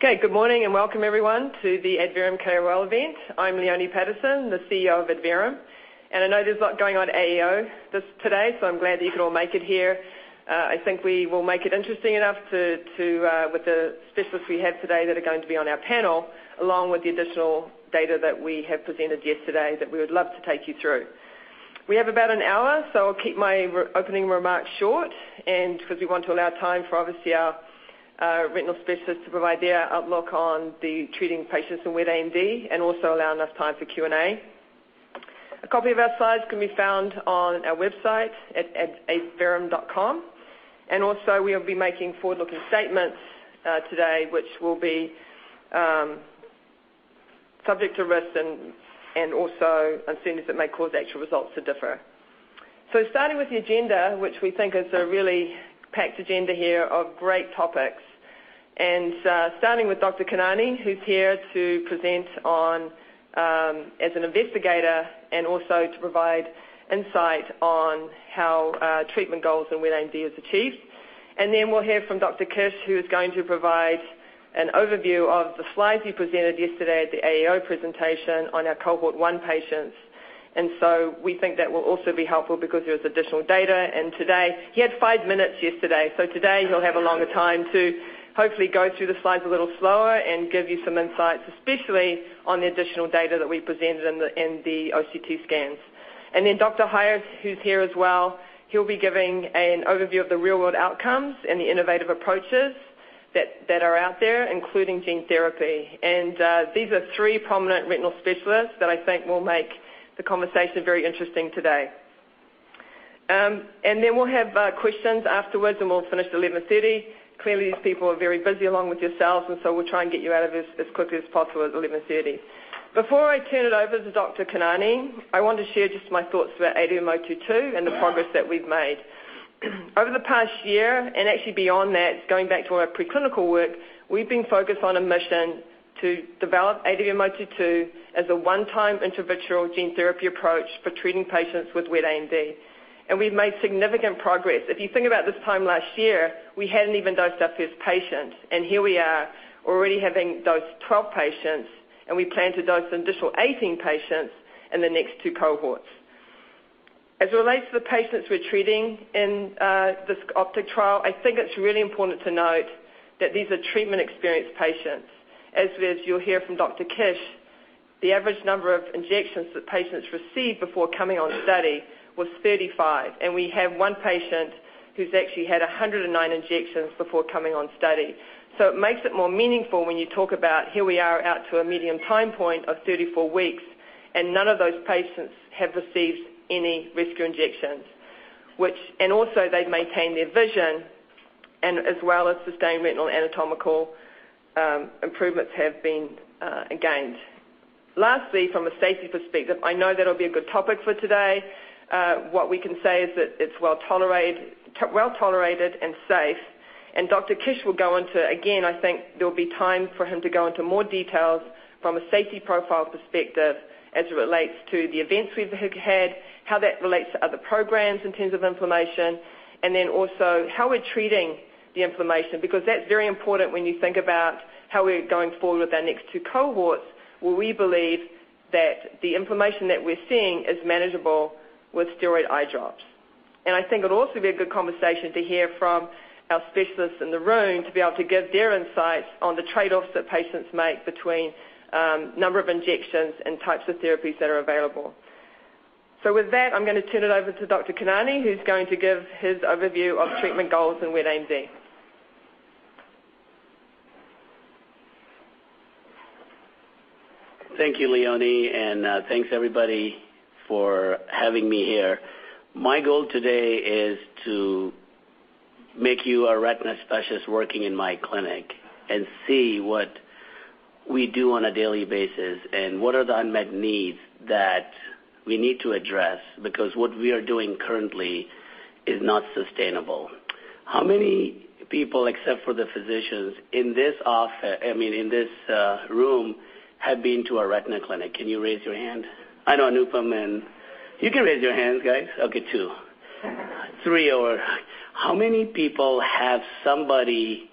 Okay, good morning and welcome everyone to the Adverum KOL event. I'm Leone Patterson, the CEO of Adverum, and I know there's a lot going on at AAO today, so I'm glad that you could all make it here. I think we will make it interesting enough with the specialists we have today that are going to be on our panel, along with the additional data that we have presented yesterday that we would love to take you through. We have about an hour, so I'll keep my opening remarks short. Because we want to allow time for obviously our retinal specialists to provide their outlook on the treating patients in wet AMD and also allow enough time for Q&A. A copy of our slides can be found on our website at adverum.com. Also we will be making forward-looking statements today, which will be subject to risks and also uncertainties that may cause actual results to differ. Starting with the agenda, which we think is a really packed agenda here of great topics, and starting with Dr. Khanani, who's here to present as an investigator and also to provide insight on how treatment goals in wet AMD is achieved. Then we'll hear from Dr. Kiss, who is going to provide an overview of the slides he presented yesterday at the AAO presentation on our cohort 1 patients. We think that will also be helpful because there is additional data. He had five minutes yesterday. Today he'll have a longer time to hopefully go through the slides a little slower and give you some insights, especially on the additional data that we presented in the OCT scans. Dr. Heier, who's here as well, he'll be giving an overview of the real-world outcomes and the innovative approaches that are out there, including gene therapy. These are three prominent retinal specialists that I think will make the conversation very interesting today. We'll have questions afterwards and we'll finish at 11:30. Clearly, these people are very busy along with yourselves, and so we'll try and get you out of this as quickly as possible at 11:30. Before I turn it over to Dr. Khanani, I want to share just my thoughts about ADVM-022 and the progress that we've made. Over the past year, actually beyond that, going back to all our preclinical work, we've been focused on a mission to develop ADVM-022 as a one-time intravitreal gene therapy approach for treating patients with wet AMD. We've made significant progress. If you think about this time last year, we hadn't even dosed our first patient, and here we are already having dosed 12 patients, and we plan to dose an additional 18 patients in the next two cohorts. As it relates to the patients we're treating in this OPTIC trial, I think it's really important to note that these are treatment-experienced patients. As you'll hear from Dr. Kiss, the average number of injections that patients received before coming on study was 35, and we have one patient who's actually had 109 injections before coming on study. It makes it more meaningful when you talk about here we are out to a median time point of 34 weeks, and none of those patients have received any rescue injections. Also they've maintained their vision and as well as sustained retinal anatomical improvements have been gained. Lastly, from a safety perspective, I know that'll be a good topic for today. What we can say is that it's well-tolerated and safe, and I think there'll be time for Dr. Kiss to go into more details from a safety profile perspective as it relates to the events we've had, how that relates to other programs in terms of inflammation, and then also how we're treating the inflammation, because that's very important when you think about how we're going forward with our next two cohorts, where we believe that the inflammation that we're seeing is manageable with steroid eye drops. I think it'll also be a good conversation to hear from our specialists in the room to be able to give their insights on the trade-offs that patients make between number of injections and types of therapies that are available. With that, I'm going to turn it over to Dr. Khanani, who's going to give his overview of treatment goals in wet AMD. Thank you, Leone, and thanks everybody for having me here. My goal today is to make you a retina specialist working in my clinic and see what we do on a daily basis and what are the unmet needs that we need to address, because what we are doing currently is not sustainable. How many people, except for the physicians in this office, I mean, in this room, have been to a retina clinic? Can you raise your hand? I know Anupam. You can raise your hands, guys. Okay, two. Three. Or how many people have somebody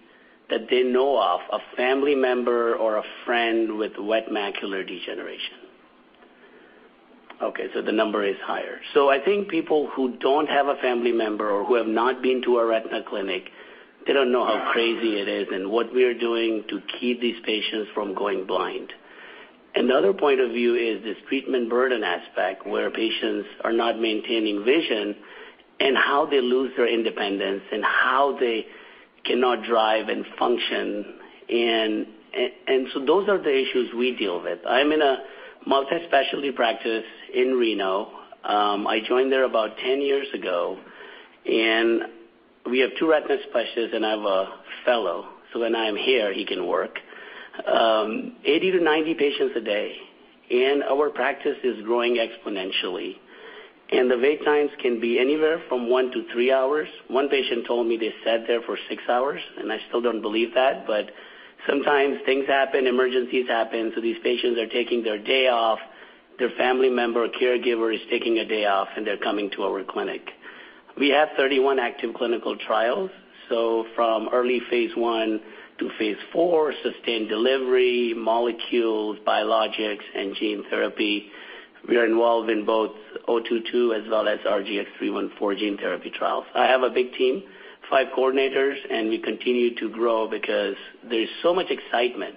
that they know of, a family member or a friend with wet macular degeneration? Okay, the number is higher. I think people who don't have a family member or who have not been to a retina clinic, they don't know how crazy it is and what we are doing to keep these patients from going blind. Another point of view is this treatment burden aspect, where patients are not maintaining vision and how they lose their independence and how they cannot drive and function. Those are the issues we deal with. I'm in a multi-specialty practice in Reno. I joined there about 10 years ago, and we have two retina specialists and I have a fellow, so when I am here, he can work. 80-90 patients a day. Our practice is growing exponentially, and the wait times can be anywhere from one to three hours. One patient told me they sat there for 6 hours, and I still don't believe that, but sometimes things happen, emergencies happen, so these patients are taking their day off, their family member or caregiver is taking a day off, and they're coming to our clinic. We have 31 active clinical trials. From early phase I to phase IV, sustained delivery, molecules, biologics, and gene therapy. We are involved in both ADVM-022 as well as our RGX-314 gene therapy trials. I have a big team, five coordinators, and we continue to grow because there's so much excitement.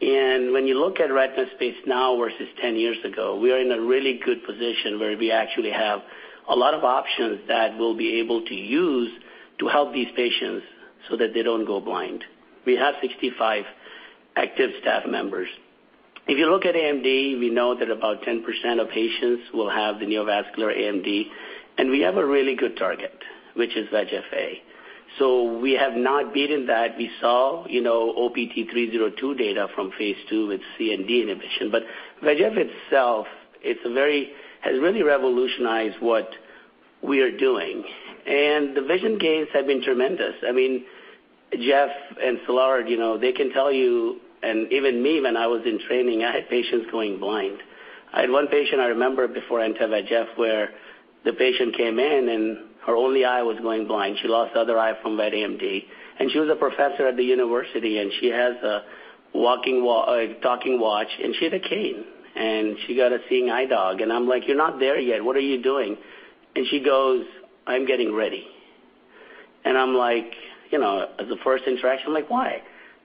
When you look at retina space now versus 10 years ago, we are in a really good position where we actually have a lot of options that we'll be able to use to help these patients so that they don't go blind. We have 65 active staff members. If you look at AMD, we know that about 10% of patients will have the neovascular AMD, and we have a really good target, which is VEGF-A. We have not beaten that. We saw OPT-302 data from phase II with C and D inhibition. VEGF itself has really revolutionized what we are doing. The vision gains have been tremendous. Jeff and Szilárd, they can tell you, and even me, when I was in training, I had patients going blind. I had one patient I remember before anti-VEGF, where the patient came in and her only eye was going blind. She lost the other eye from wet AMD. She was a professor at the university, and she has a talking watch, and she had a cane, and she got a seeing eye dog. I'm like, "You're not there yet. What are you doing?" She goes, "I'm getting ready." As the first interaction, I'm like, "Why?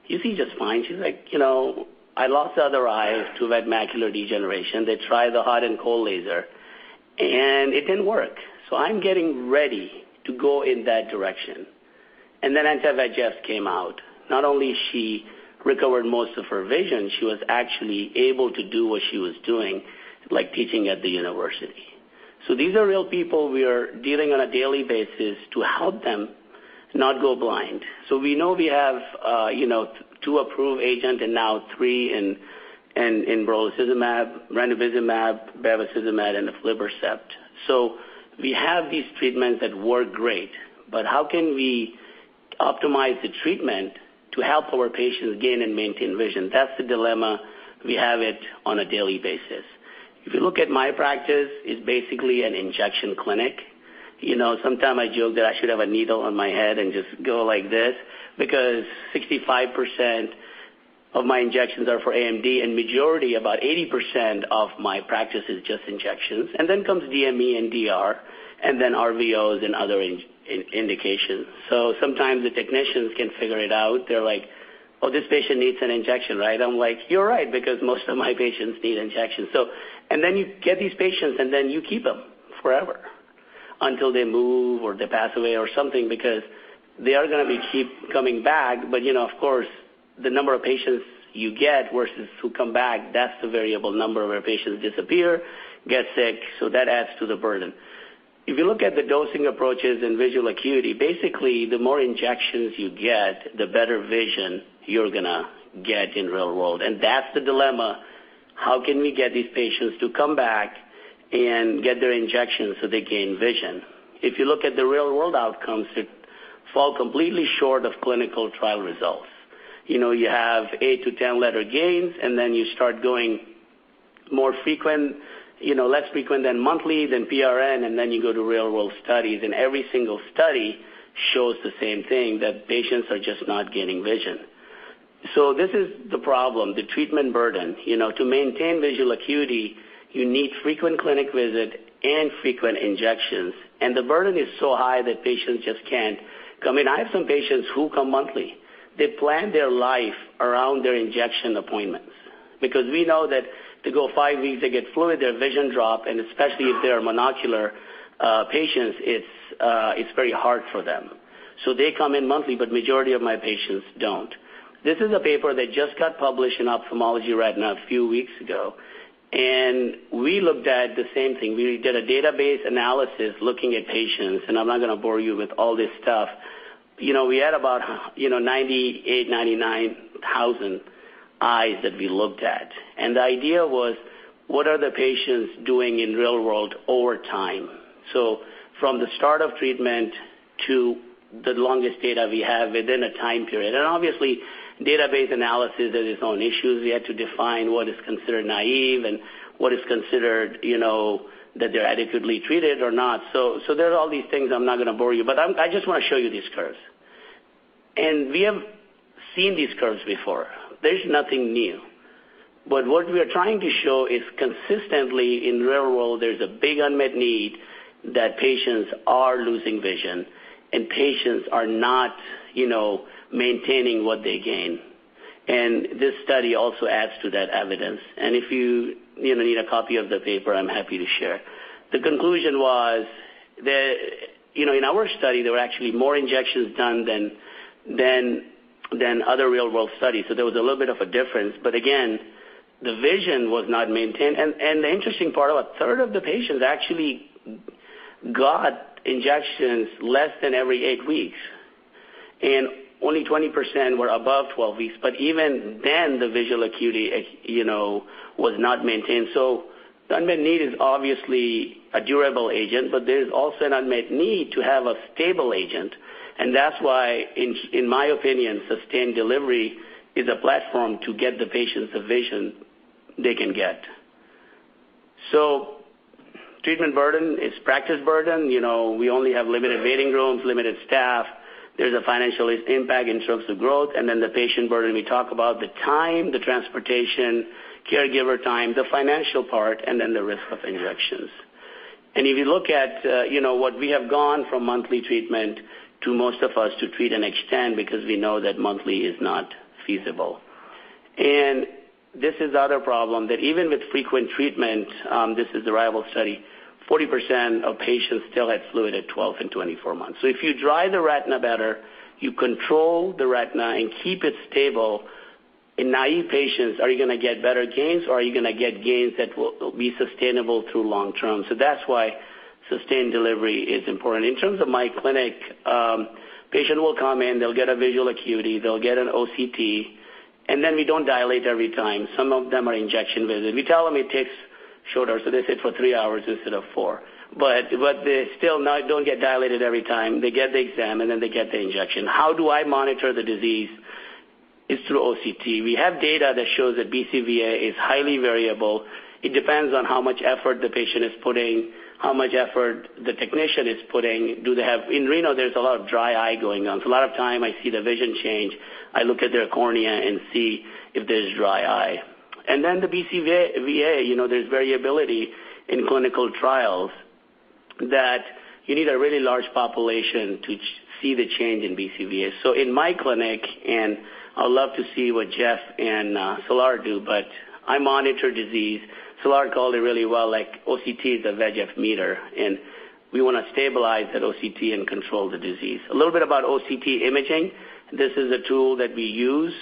You see just fine." She's like, "I lost the other eye to wet macular degeneration. They tried the hot and cold laser, and it didn't work. I'm getting ready to go in that direction." Then anti-VEGF came out. Not only she recovered most of her vision, she was actually able to do what she was doing, like teaching at the university. These are real people we are dealing on a daily basis to help them not go blind. We know we have two approved agent and now three in brolucizumab, ranibizumab, bevacizumab, and aflibercept. We have these treatments that work great. How can we optimize the treatment to help our patients gain and maintain vision? That's the dilemma. We have it on a daily basis. If you look at my practice, it's basically an injection clinic. Sometimes I joke that I should have a needle on my head and just go like this because 65% of my injections are for AMD, and majority, about 80% of my practice is just injections. Then comes DME and DR, and then RVOs and other indications. Sometimes the technicians can figure it out. They're like, "Oh, this patient needs an injection, right?" I'm like, "You're right," because most of my patients need injections. Then you get these patients, and then you keep them forever until they move or they pass away or something, because they are going to be keep coming back. Of course, the number of patients you get versus who come back, that's the variable number where patients disappear, get sick. That adds to the burden. You look at the dosing approaches and visual acuity, basically, the more injections you get, the better vision you're going to get in real-world. That's the dilemma. How can we get these patients to come back and get their injections so they gain vision? You look at the real-world outcomes, it fall completely short of clinical trial results. You have 8-10 letter gains, then you start going less frequent than monthly, then PRN, then you go to real-world studies, every single study shows the same thing, that patients are just not gaining vision. This is the problem, the treatment burden. To maintain visual acuity, you need frequent clinic visit and frequent injections, the burden is so high that patients just can't come in. I have some patients who come monthly. They plan their life around their injection appointments because we know that to go 5 weeks, they get fluid, their vision drop, and especially if they are monocular patients, it's very hard for them. They come in monthly, but majority of my patients don't. This is a paper that just got published in Ophthalmology Retina a few weeks ago, and we looked at the same thing. We did a database analysis looking at patients, and I'm not going to bore you with all this stuff. We had about 98,000, 99,000 eyes that we looked at. The idea was: what are the patients doing in real world over time? From the start of treatment to the longest data we have within a time period. Obviously, database analysis, there is own issues. We had to define what is considered naive and what is considered that they're adequately treated or not. There are all these things. I'm not going to bore you, but I just want to show you these curves. We have seen these curves before. There's nothing new. What we are trying to show is consistently in real world, there's a big unmet need that patients are losing vision and patients are not maintaining what they gain. This study also adds to that evidence. If you need a copy of the paper, I'm happy to share. The conclusion was that in our study, there were actually more injections done than other real world studies. There was a little bit of a difference. Again, the vision was not maintained. The interesting part, about a third of the patients actually got injections less than every eight weeks, and only 20% were above 12 weeks. Even then, the visual acuity was not maintained. The unmet need is obviously a durable agent, but there is also an unmet need to have a stable agent. That's why, in my opinion, sustained delivery is a platform to get the patients the vision they can get. Treatment burden is practice burden. We only have limited waiting rooms, limited staff. There's a financial impact in terms of growth. The patient burden, we talk about the time, the transportation, caregiver time, the financial part, and then the risk of injections. If you look at what we have gone from monthly treatment to most of us to treat and extend because we know that monthly is not feasible. This is another problem that even with frequent treatment, this is the RIVAL study, 40% of patients still had fluid at 12 and 24 months. If you dry the retina better, you control the retina and keep it stable. In naive patients, are you going to get better gains or are you going to get gains that will be sustainable through long term? That's why sustained delivery is important. In terms of my clinic, patients will come in, they'll get a visual acuity, they'll get an OCT, and then we don't dilate every time. Some of them are injection visits. We tell them it takes shorter, so they sit for three hours instead of four. They still don't get dilated every time. They get the exam, and then they get the injection. How do I monitor the disease is through OCT. We have data that shows that BCVA is highly variable. It depends on how much effort the patient is putting, how much effort the technician is putting. In Reno, there's a lot of dry eye going on. A lot of time I see the vision change, I look at their cornea and see if there's dry eye. The BCVA, there's variability in clinical trials that you need a really large population to see the change in BCVA. In my clinic, and I'd love to see what Jeff and Salar do, but I monitor disease. Salar called it really well, like OCT is a VEGF meter, and we want to stabilize that OCT and control the disease. A little bit about OCT imaging. This is a tool that we use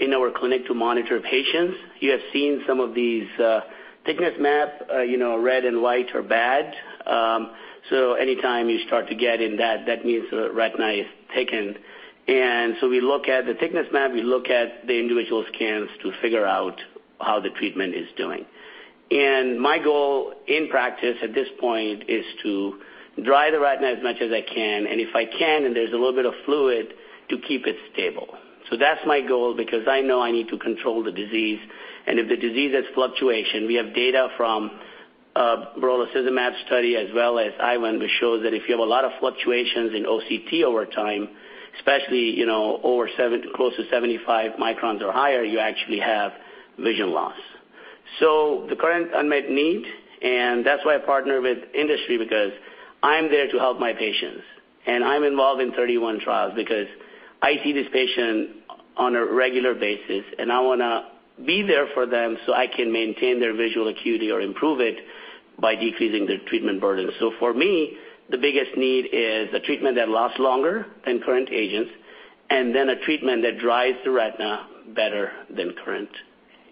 in our clinic to monitor patients. You have seen some of these thickness map, red and white are bad. Anytime you start to get in that means the retina is thickened. We look at the thickness map, we look at the individual scans to figure out how the treatment is doing. My goal in practice at this point is to dry the retina as much as I can. If I can, and there's a little bit of fluid to keep it stable. That's my goal because I know I need to control the disease. If the disease has fluctuation, we have data from bevacizumab study as well as IVAN, which shows that if you have a lot of fluctuations in OCT over time, especially close to 75 microns or higher, you actually have vision loss. The current unmet need, and that's why I partner with industry because I'm there to help my patients. I'm involved in 31 trials because I see this patient on a regular basis and I want to be there for them so I can maintain their visual acuity or improve it by decreasing their treatment burden. For me, the biggest need is a treatment that lasts longer than current agents and then a treatment that dries the retina better than current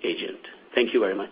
agent. Thank you very much.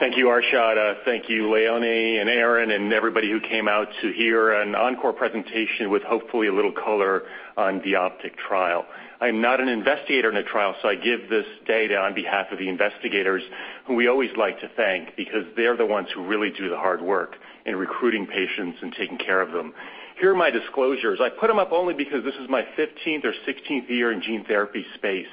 Thank you, Arshad. Thank you, Leone and Aaron and everybody who came out to hear an encore presentation with hopefully a little color on the OPTIC trial. I'm not an investigator in the trial, so I give this data on behalf of the investigators who we always like to thank because they're the ones who really do the hard work in recruiting patients and taking care of them. Here are my disclosures. I put them up only because this is my 15th or 16th year in gene therapy space.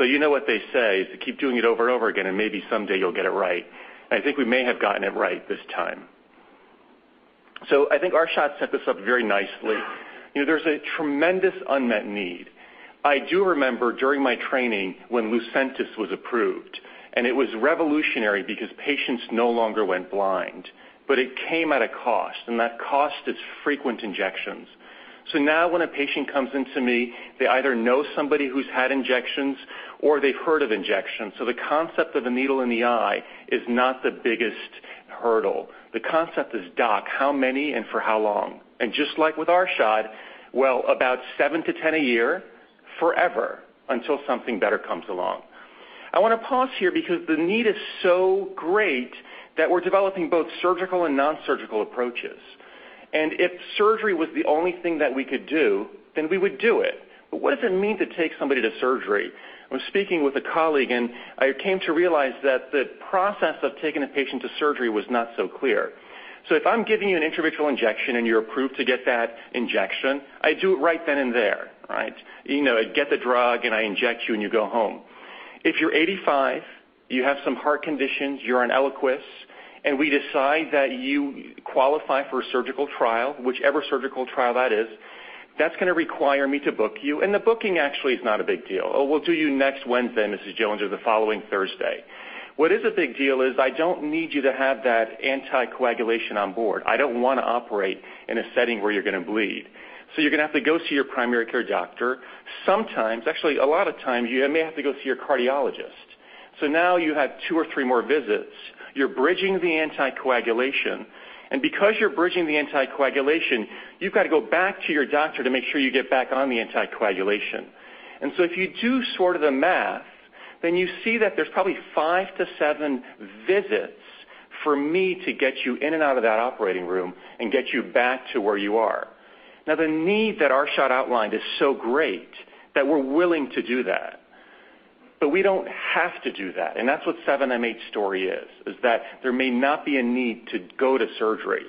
You know what they say, is to keep doing it over and over again and maybe someday you'll get it right. I think we may have gotten it right this time. I think Arshad set this up very nicely. There's a tremendous unmet need. I do remember during my training when LUCENTIS was approved, and it was revolutionary because patients no longer went blind. It came at a cost, and that cost is frequent injections. Now when a patient comes into me, they either know somebody who's had injections or they've heard of injections. The concept of a needle in the eye is not the biggest hurdle. The concept is, "Doc, how many and for how long?" Just like with Arshad, well, about seven to 10 a year forever until something better comes along. I want to pause here because the need is so great that we're developing both surgical and non-surgical approaches. If surgery was the only thing that we could do, then we would do it. What does it mean to take somebody to surgery? I was speaking with a colleague, and I came to realize that the process of taking a patient to surgery was not so clear. If I'm giving you an intravitreal injection and you're approved to get that injection, I do it right then and there. I get the drug and I inject you and you go home. If you're 85, you have some heart conditions, you're on ELIQUIS, and we decide that you qualify for a surgical trial, whichever surgical trial that is, that's going to require me to book you. The booking actually is not a big deal. "Oh, we'll do you next Wednesday, Mrs. Jones, or the following Thursday." What is a big deal is I don't need you to have that anticoagulation on board. I don't want to operate in a setting where you're going to bleed. You're going to have to go see your primary care doctor. Sometimes, actually a lot of times, you may have to go see your cardiologist. Now you have two or three more visits. You're bridging the anticoagulation, and because you're bridging the anticoagulation, you've got to go back to your doctor to make sure you get back on the anticoagulation. If you do sort of the math, then you see that there's probably five to seven visits for me to get you in and out of that operating room and get you back to where you are. Now, the need that Arshad outlined is so great that we're willing to do that. We don't have to do that, and that's what 7m8 story is that there may not be a need to go to surgery.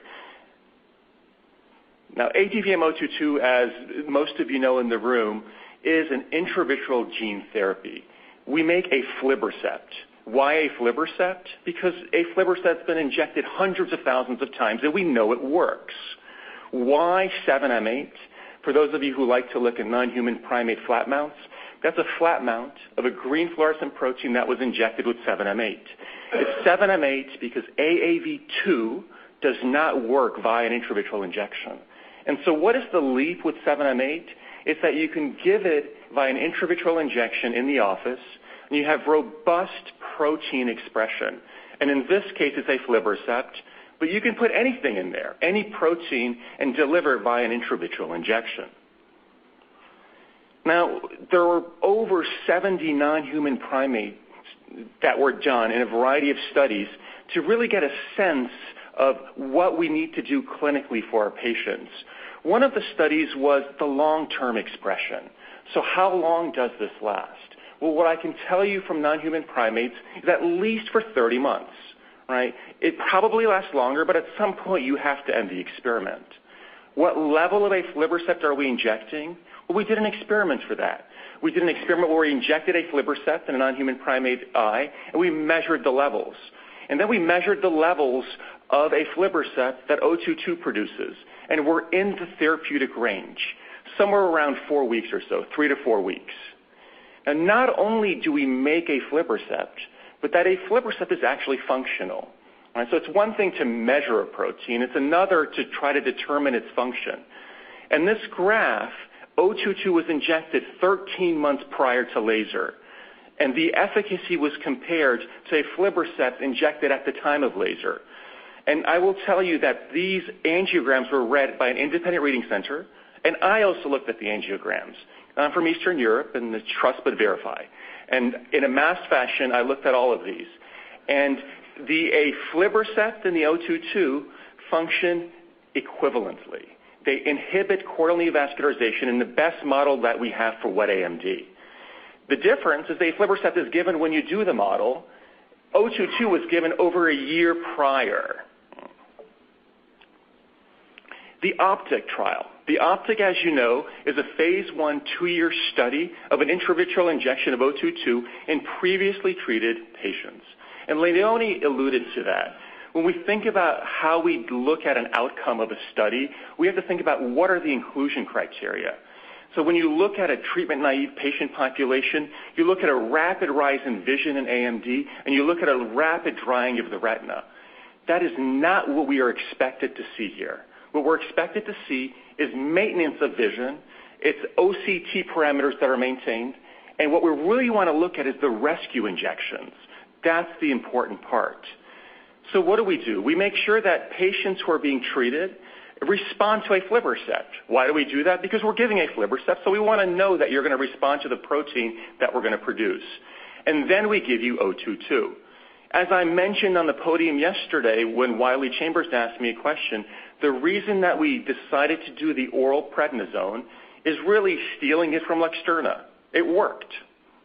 Now, ADVM-022, as most of you know in the room, is an intravitreal gene therapy. We make aflibercept. Why aflibercept? Because aflibercept's been injected hundreds of thousands of times, and we know it works. Why 7m8? For those of you who like to look at non-human primate flat mounts, that's a flat mount of a green fluorescent protein that was injected with 7m8. It's 7m8 because AAV2 does not work via an intravitreal injection. What is the leap with 7m8? It's that you can give it via an intravitreal injection in the office, and you have robust protein expression. In this case, it's aflibercept, but you can put anything in there, any protein, and deliver it via an intravitreal injection. There are over 70 non-human primates that were done in a variety of studies to really get a sense of what we need to do clinically for our patients. One of the studies was the long-term expression. How long does this last? Well, what I can tell you from non-human primates is at least for 30 months, right? It probably lasts longer, but at some point, you have to end the experiment. What level of aflibercept are we injecting? Well, we did an experiment for that. We did an experiment where we injected aflibercept in a non-human primate eye, we measured the levels. We measured the levels of aflibercept that 022 produces, we're in the therapeutic range, somewhere around four weeks or so, three to four weeks. Not only do we make aflibercept, but that aflibercept is actually functional. It's one thing to measure a protein, it's another to try to determine its function. In this graph, 022 was injected 13 months prior to laser, and the efficacy was compared to aflibercept injected at the time of laser. I will tell you that these angiograms were read by an independent reading center, and I also looked at the angiograms from Eastern Europe, and the trust but verify. In a mass fashion, I looked at all of these. The aflibercept and the 022 function equivalently. They inhibit choroidal neovascularization in the best model that we have for wet AMD. The difference is aflibercept is given when you do the model. 022 was given over a year prior. The OPTIC trial. The OPTIC, as you know, is a phase I 2-year study of an intravitreal injection of 022 in previously treated patients. Leone alluded to that. When we think about how we look at an outcome of a study, we have to think about what are the inclusion criteria. When you look at a treatment-naive patient population, you look at a rapid rise in vision in AMD, and you look at a rapid drying of the retina. That is not what we are expected to see here. What we're expected to see is maintenance of vision. It's OCT parameters that are maintained, and what we really want to look at is the rescue injections. That's the important part. What do we do? We make sure that patients who are being treated respond to aflibercept. Why do we do that? Because we're giving aflibercept, so we want to know that you're going to respond to the protein that we're going to produce. We give you 022. As I mentioned on the podium yesterday when Wiley Chambers asked me a question, the reason that we decided to do the oral prednisone is really stealing it from LUXTURNA. It worked.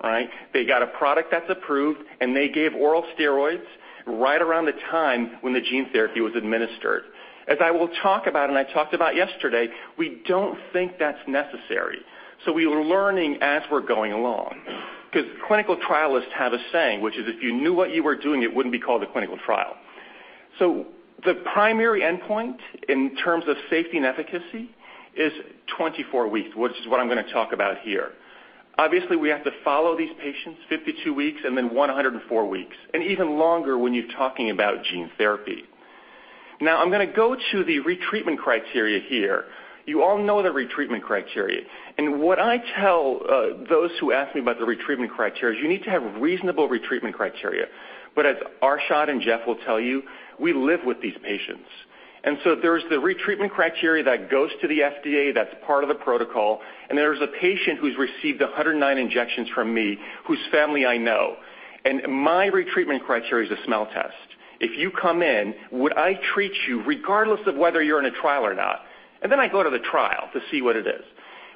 All right? They got a product that's approved, and they gave oral steroids right around the time when the gene therapy was administered. As I will talk about, and I talked about yesterday, we don't think that's necessary. We are learning as we're going along because clinical trialists have a saying, which is, if you knew what you were doing, it wouldn't be called a clinical trial. The primary endpoint in terms of safety and efficacy is 24 weeks, which is what I'm going to talk about here. Obviously, we have to follow these patients 52 weeks and then 104 weeks, and even longer when you're talking about gene therapy. Now, I'm going to go to the retreatment criteria here. You all know the retreatment criteria. What I tell those who ask me about the retreatment criteria is you need to have reasonable retreatment criteria. As Arshad and Jeff will tell you, we live with these patients. There's the retreatment criteria that goes to the FDA that's part of the protocol, and there is a patient who's received 109 injections from me, whose family I know. My retreatment criteria is a smell test. If you come in, would I treat you regardless of whether you're in a trial or not? I go to the trial to see what it is.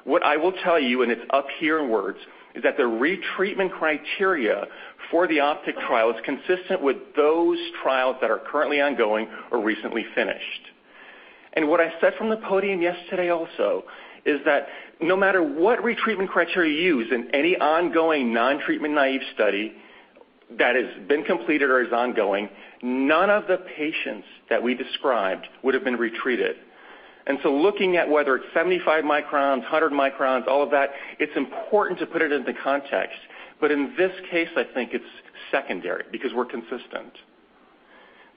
What I will tell you, and it's up here in words, is that the retreatment criteria for the OPTIC trial is consistent with those trials that are currently ongoing or recently finished. What I said from the podium yesterday also is that no matter what retreatment criteria you use in any ongoing non-treatment naive study that has been completed or is ongoing, none of the patients that we described would have been retreated. Looking at whether it's 75 microns, 100 microns, all of that, it's important to put it into context. In this case, I think it's secondary because we're consistent.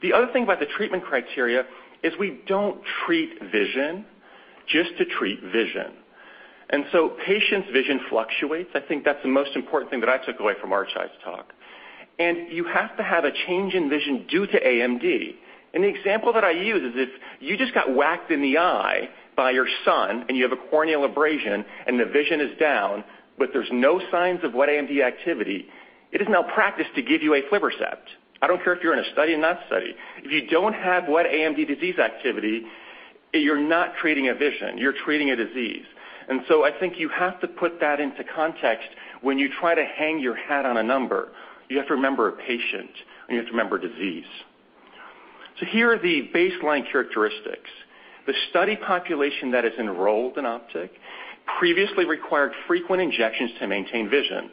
The other thing about the treatment criteria is we don't treat vision just to treat vision. Patients' vision fluctuates. I think that's the most important thing that I took away from Arshad's talk. You have to have a change in vision due to AMD. The example that I use is if you just got whacked in the eye by your son and you have a corneal abrasion and the vision is down, but there's no signs of wet AMD activity, it is malpractice to give you aflibercept. I don't care if you're in a study, not study. If you don't have wet AMD disease activity. You're not treating a vision, you're treating a disease. I think you have to put that into context when you try to hang your hat on a number. You have to remember a patient, and you have to remember disease. Here are the baseline characteristics. The study population that is enrolled in OPTIC previously required frequent injections to maintain vision.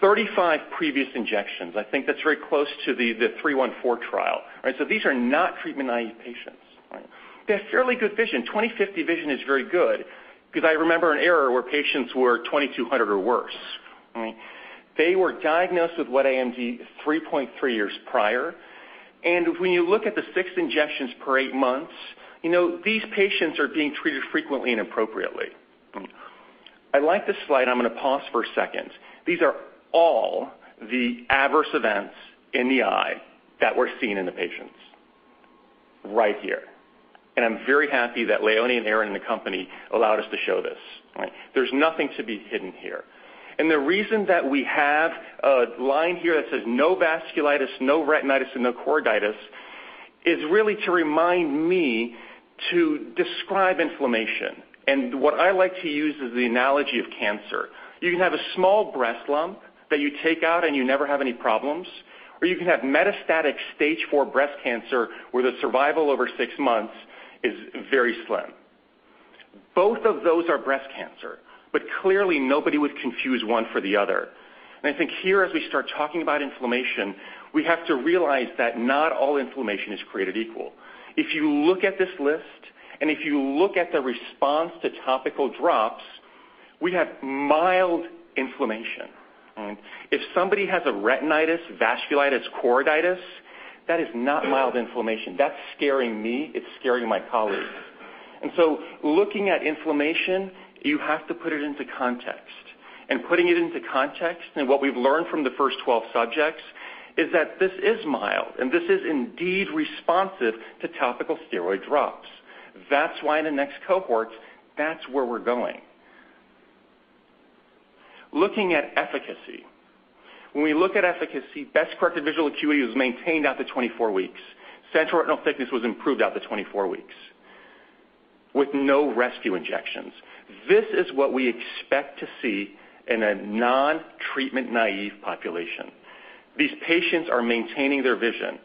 35 previous injections. I think that's very close to the 314 trial. These are not treatment-naive patients. They have fairly good vision. 20/50 vision is very good because I remember an era where patients were 20/200 or worse. They were diagnosed with wet AMD 3.3 years prior. When you look at the six injections per eight months, these patients are being treated frequently and appropriately. I like this slide. I'm going to pause for a second. These are all the adverse events in the eye that we're seeing in the patients right here. I'm very happy that Leone and Aaron and the company allowed us to show this. There's nothing to be hidden here. The reason that we have a line here that says no vasculitis, no retinitis, and no choroiditis is really to remind me to describe inflammation. What I like to use is the analogy of cancer. You can have a small breast lump that you take out and you never have any problems, or you can have metastatic stage 4 breast cancer where the survival over six months is very slim. Both of those are breast cancer, Clearly nobody would confuse one for the other. I think here, as we start talking about inflammation, we have to realize that not all inflammation is created equal. If you look at this list and if you look at the response to topical drops, we have mild inflammation. If somebody has a retinitis, vasculitis, choroiditis, that is not mild inflammation. That's scaring me. It's scaring my colleagues. Looking at inflammation, you have to put it into context. Putting it into context, and what we've learned from the first 12 subjects, is that this is mild and this is indeed responsive to topical steroid drops. That's why in the next cohorts, that's where we're going. Looking at efficacy. When we look at efficacy, best corrected visual acuity was maintained out to 24 weeks. Central retinal thickness was improved out to 24 weeks with no rescue injections. This is what we expect to see in a non-treatment naive population. These patients are maintaining their vision.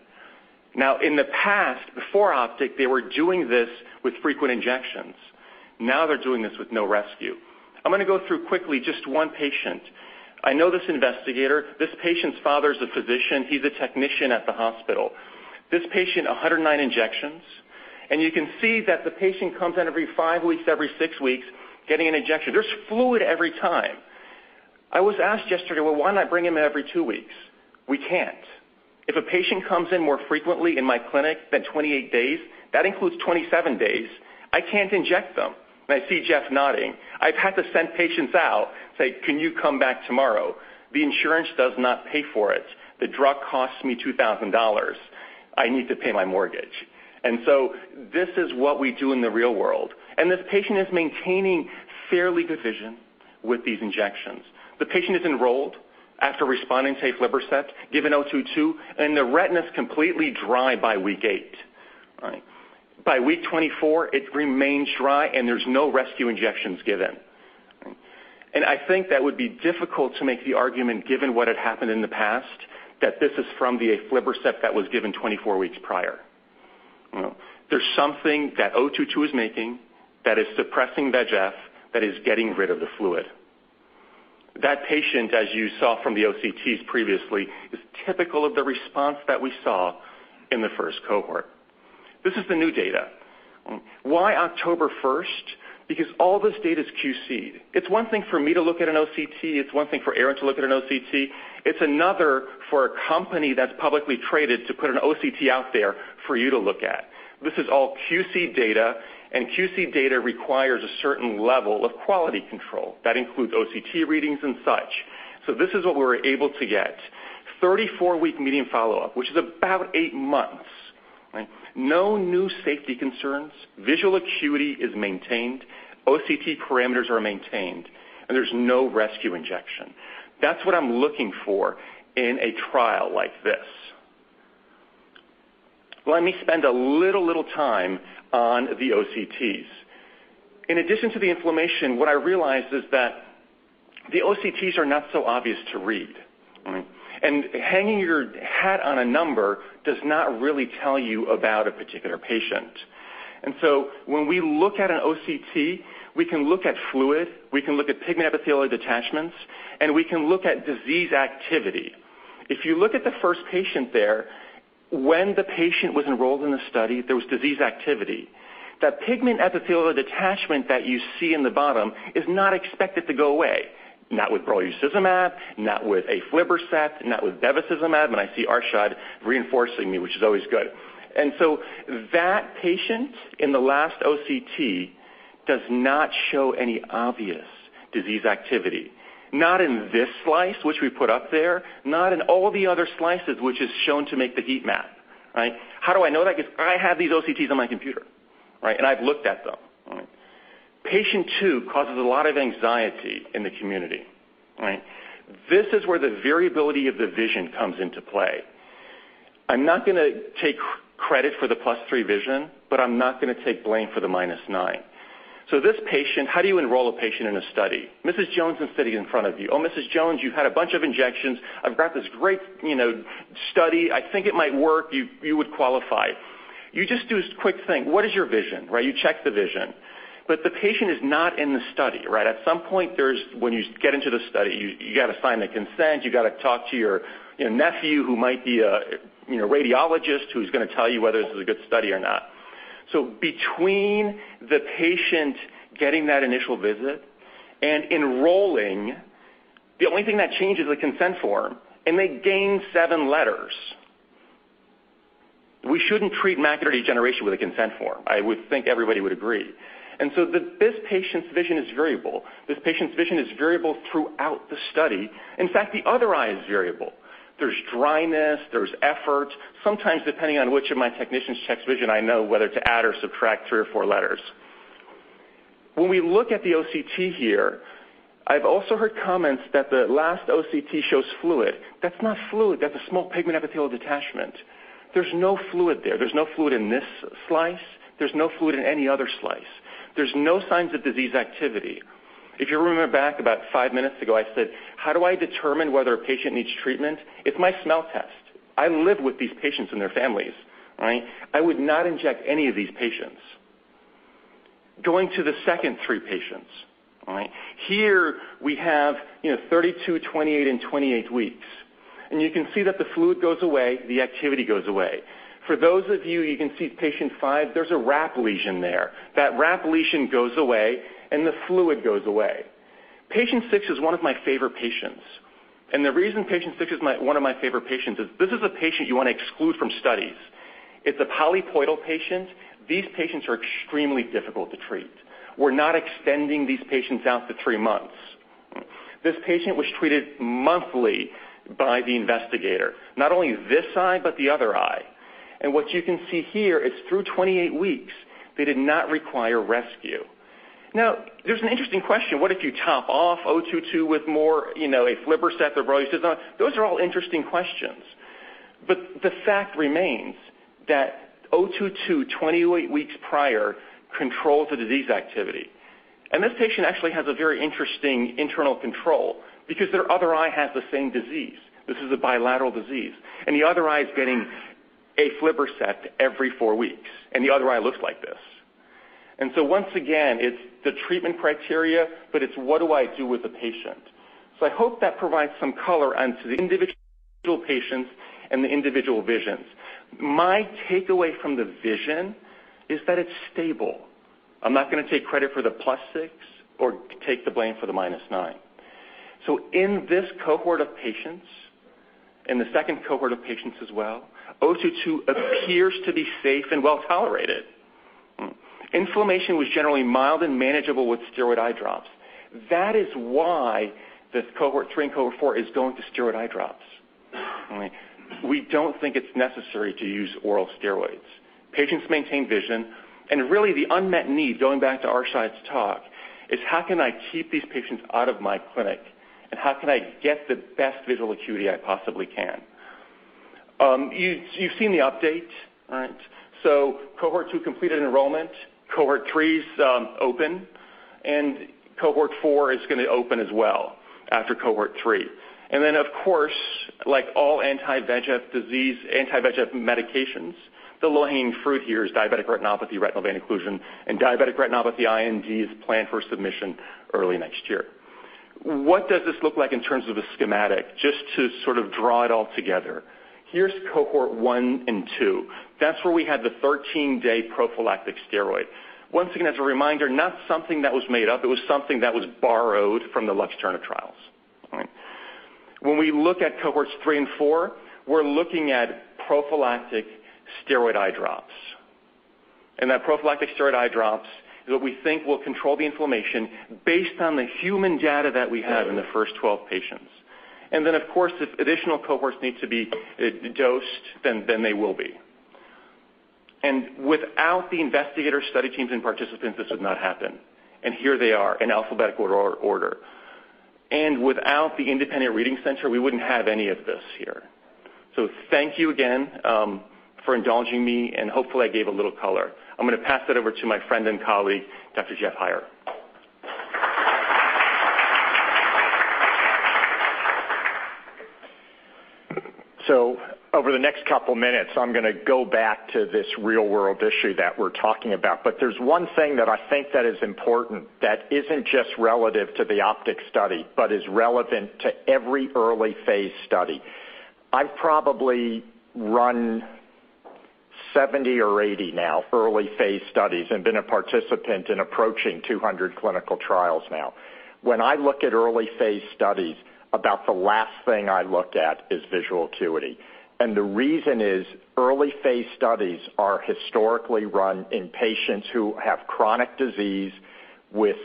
Now, in the past, before OPTIC, they were doing this with frequent injections. Now they're doing this with no rescue. I'm going to go through quickly just one patient. I know this investigator. This patient's father is a physician. He's a technician at the hospital. This patient, 109 injections. You can see that the patient comes in every five weeks, every six weeks, getting an injection. There's fluid every time. I was asked yesterday, "Well, why not bring him in every two weeks?" We can't. If a patient comes in more frequently in my clinic than 28 days, that includes 27 days, I can't inject them. I see Jeff nodding. I've had to send patients out, say, "Can you come back tomorrow?" The insurance does not pay for it. The drug costs me $2,000. I need to pay my mortgage. This is what we do in the real world. This patient is maintaining fairly good vision with these injections. The patient is enrolled after responding to aflibercept, given 022, and the retina is completely dry by week eight. By week 24, it remains dry and there's no rescue injections given. I think that would be difficult to make the argument, given what had happened in the past, that this is from the aflibercept that was given 24 weeks prior. There's something that ADVM-022 is making that is suppressing VEGF, that is getting rid of the fluid. That patient, as you saw from the OCTs previously, is typical of the response that we saw in the first cohort. This is the new data. Why October 1st? All this data is QC'd. It's one thing for me to look at an OCT. It's one thing for Aaron to look at an OCT. It's another for a company that's publicly traded to put an OCT out there for you to look at. This is all QC data, and QC data requires a certain level of quality control. That includes OCT readings and such. This is what we were able to get. 34-week median follow-up, which is about eight months. No new safety concerns. Visual acuity is maintained. OCT parameters are maintained, and there's no rescue injection. That's what I'm looking for in a trial like this. Let me spend a little time on the OCTs. In addition to the inflammation, what I realized is that the OCTs are not so obvious to read. Hanging your hat on a number does not really tell you about a particular patient. When we look at an OCT, we can look at fluid, we can look at pigment epithelial detachments, and we can look at disease activity. If you look at the first patient there, when the patient was enrolled in the study, there was disease activity. That pigment epithelial detachment that you see in the bottom is not expected to go away. Not with brolucizumab, not with aflibercept, not with bevacizumab. I see Arshad reinforcing me, which is always good. That patient in the last OCT does not show any obvious disease activity. Not in this slice, which we put up there, not in all the other slices which is shown to make the heat map. How do I know that? I have these OCTs on my computer, and I've looked at them. Patient 2 causes a lot of anxiety in the community. This is where the variability of the vision comes into play. I'm not going to take credit for the plus 3 vision, but I'm not going to take blame for the minus 9. This patient, how do you enroll a patient in a study? Mrs. Jones is sitting in front of you. "Oh, Mrs. Jones, you've had a bunch of injections. I've got this great study. I think it might work. You would qualify." You just do a quick thing. What is your vision? You check the vision. The patient is not in the study. At some point, when you get into the study, you've got to sign the consent, you've got to talk to your nephew who might be a radiologist, who's going to tell you whether this is a good study or not. Between the patient getting that initial visit and enrolling, the only thing that changes is the consent form, and they gain seven letters. We shouldn't treat macular degeneration with a consent form. I would think everybody would agree. This patient's vision is variable. This patient's vision is variable throughout the study. In fact, the other eye is variable. There's dryness, there's effort. Sometimes, depending on which of my technicians checks vision, I know whether to add or subtract three or four letters. When we look at the OCT here, I've also heard comments that the last OCT shows fluid. That's not fluid. That's a small pigment epithelial detachment. There's no fluid there. There's no fluid in this slice. There's no fluid in any other slice. There's no signs of disease activity. If you remember back about five minutes ago, I said, how do I determine whether a patient needs treatment? It's my smell test. I live with these patients and their families. I would not inject any of these patients. Going to the second three patients. Here we have 32, 28, and 28 weeks. You can see that the fluid goes away, the activity goes away. For those of you can see patient five, there's a wrap lesion there. That wrap lesion goes away and the fluid goes away. Patient six is one of my favorite patients. The reason patient six is one of my favorite patients is this is a patient you want to exclude from studies. It's a polypoidal patient. These patients are extremely difficult to treat. We're not extending these patients out to three months. This patient was treated monthly by the investigator. Not only this eye, but the other eye. What you can see here is through 28 weeks, they did not require rescue. Now, there's an interesting question. What if you top off 022 with more, aflibercept, or brolucizumab? Those are all interesting questions. The fact remains that 022, 28 weeks prior, controls the disease activity. This patient actually has a very interesting internal control because their other eye has the same disease. This is a bilateral disease. The other eye is getting aflibercept every four weeks, and the other eye looks like this. Once again, it's the treatment criteria, but it's what do I do with the patient? I hope that provides some color onto the individual patients and the individual visions. My takeaway from the vision is that it's stable. I'm not going to take credit for the +6 or take the blame for the -9. In this cohort of patients, in the second cohort of patients as well, 022 appears to be safe and well-tolerated. Inflammation was generally mild and manageable with steroid eye drops. That is why the cohort 3 and cohort 4 is going to steroid eye drops. We don't think it's necessary to use oral steroids. Patients maintain vision. Really the unmet need, going back to Arshad's talk, is how can I keep these patients out of my clinic, and how can I get the best visual acuity I possibly can? You've seen the update. Cohort 2 completed enrollment, cohort 3's open, and cohort 4 is going to open as well after cohort 3. Of course, like all anti-VEGF medications, the low-hanging fruit here is diabetic retinopathy, retinal vein occlusion, and diabetic retinopathy IND is planned for submission early next year. What does this look like in terms of a schematic, just to sort of draw it all together? Here's cohort 1 and 2. That's where we had the 13-day prophylactic steroid. Once again, as a reminder, not something that was made up. It was something that was borrowed from the LUXTURNA trials. When we look at cohorts 3 and 4, we're looking at prophylactic steroid eye drops. That prophylactic steroid eye drops is what we think will control the inflammation based on the human data that we have in the first 12 patients. Then, of course, if additional cohorts need to be dosed, then they will be. Without the investigator study teams and participants, this would not happen. Here they are in alphabetical order. Without the independent reading center, we wouldn't have any of this here. Thank you again for indulging me, and hopefully I gave a little color. I'm going to pass it over to my friend and colleague, Dr. Jeff Heier. Over the next couple minutes, I'm going to go back to this real-world issue that we're talking about. There's one thing that I think that is important that isn't just relative to the OPTIC study, but is relevant to every early phase study. I've probably run 70 or 80 now early phase studies and been a participant in approaching 200 clinical trials now. When I look at early phase studies, about the last thing I look at is visual acuity. The reason is early phase studies are historically run in patients who have chronic disease with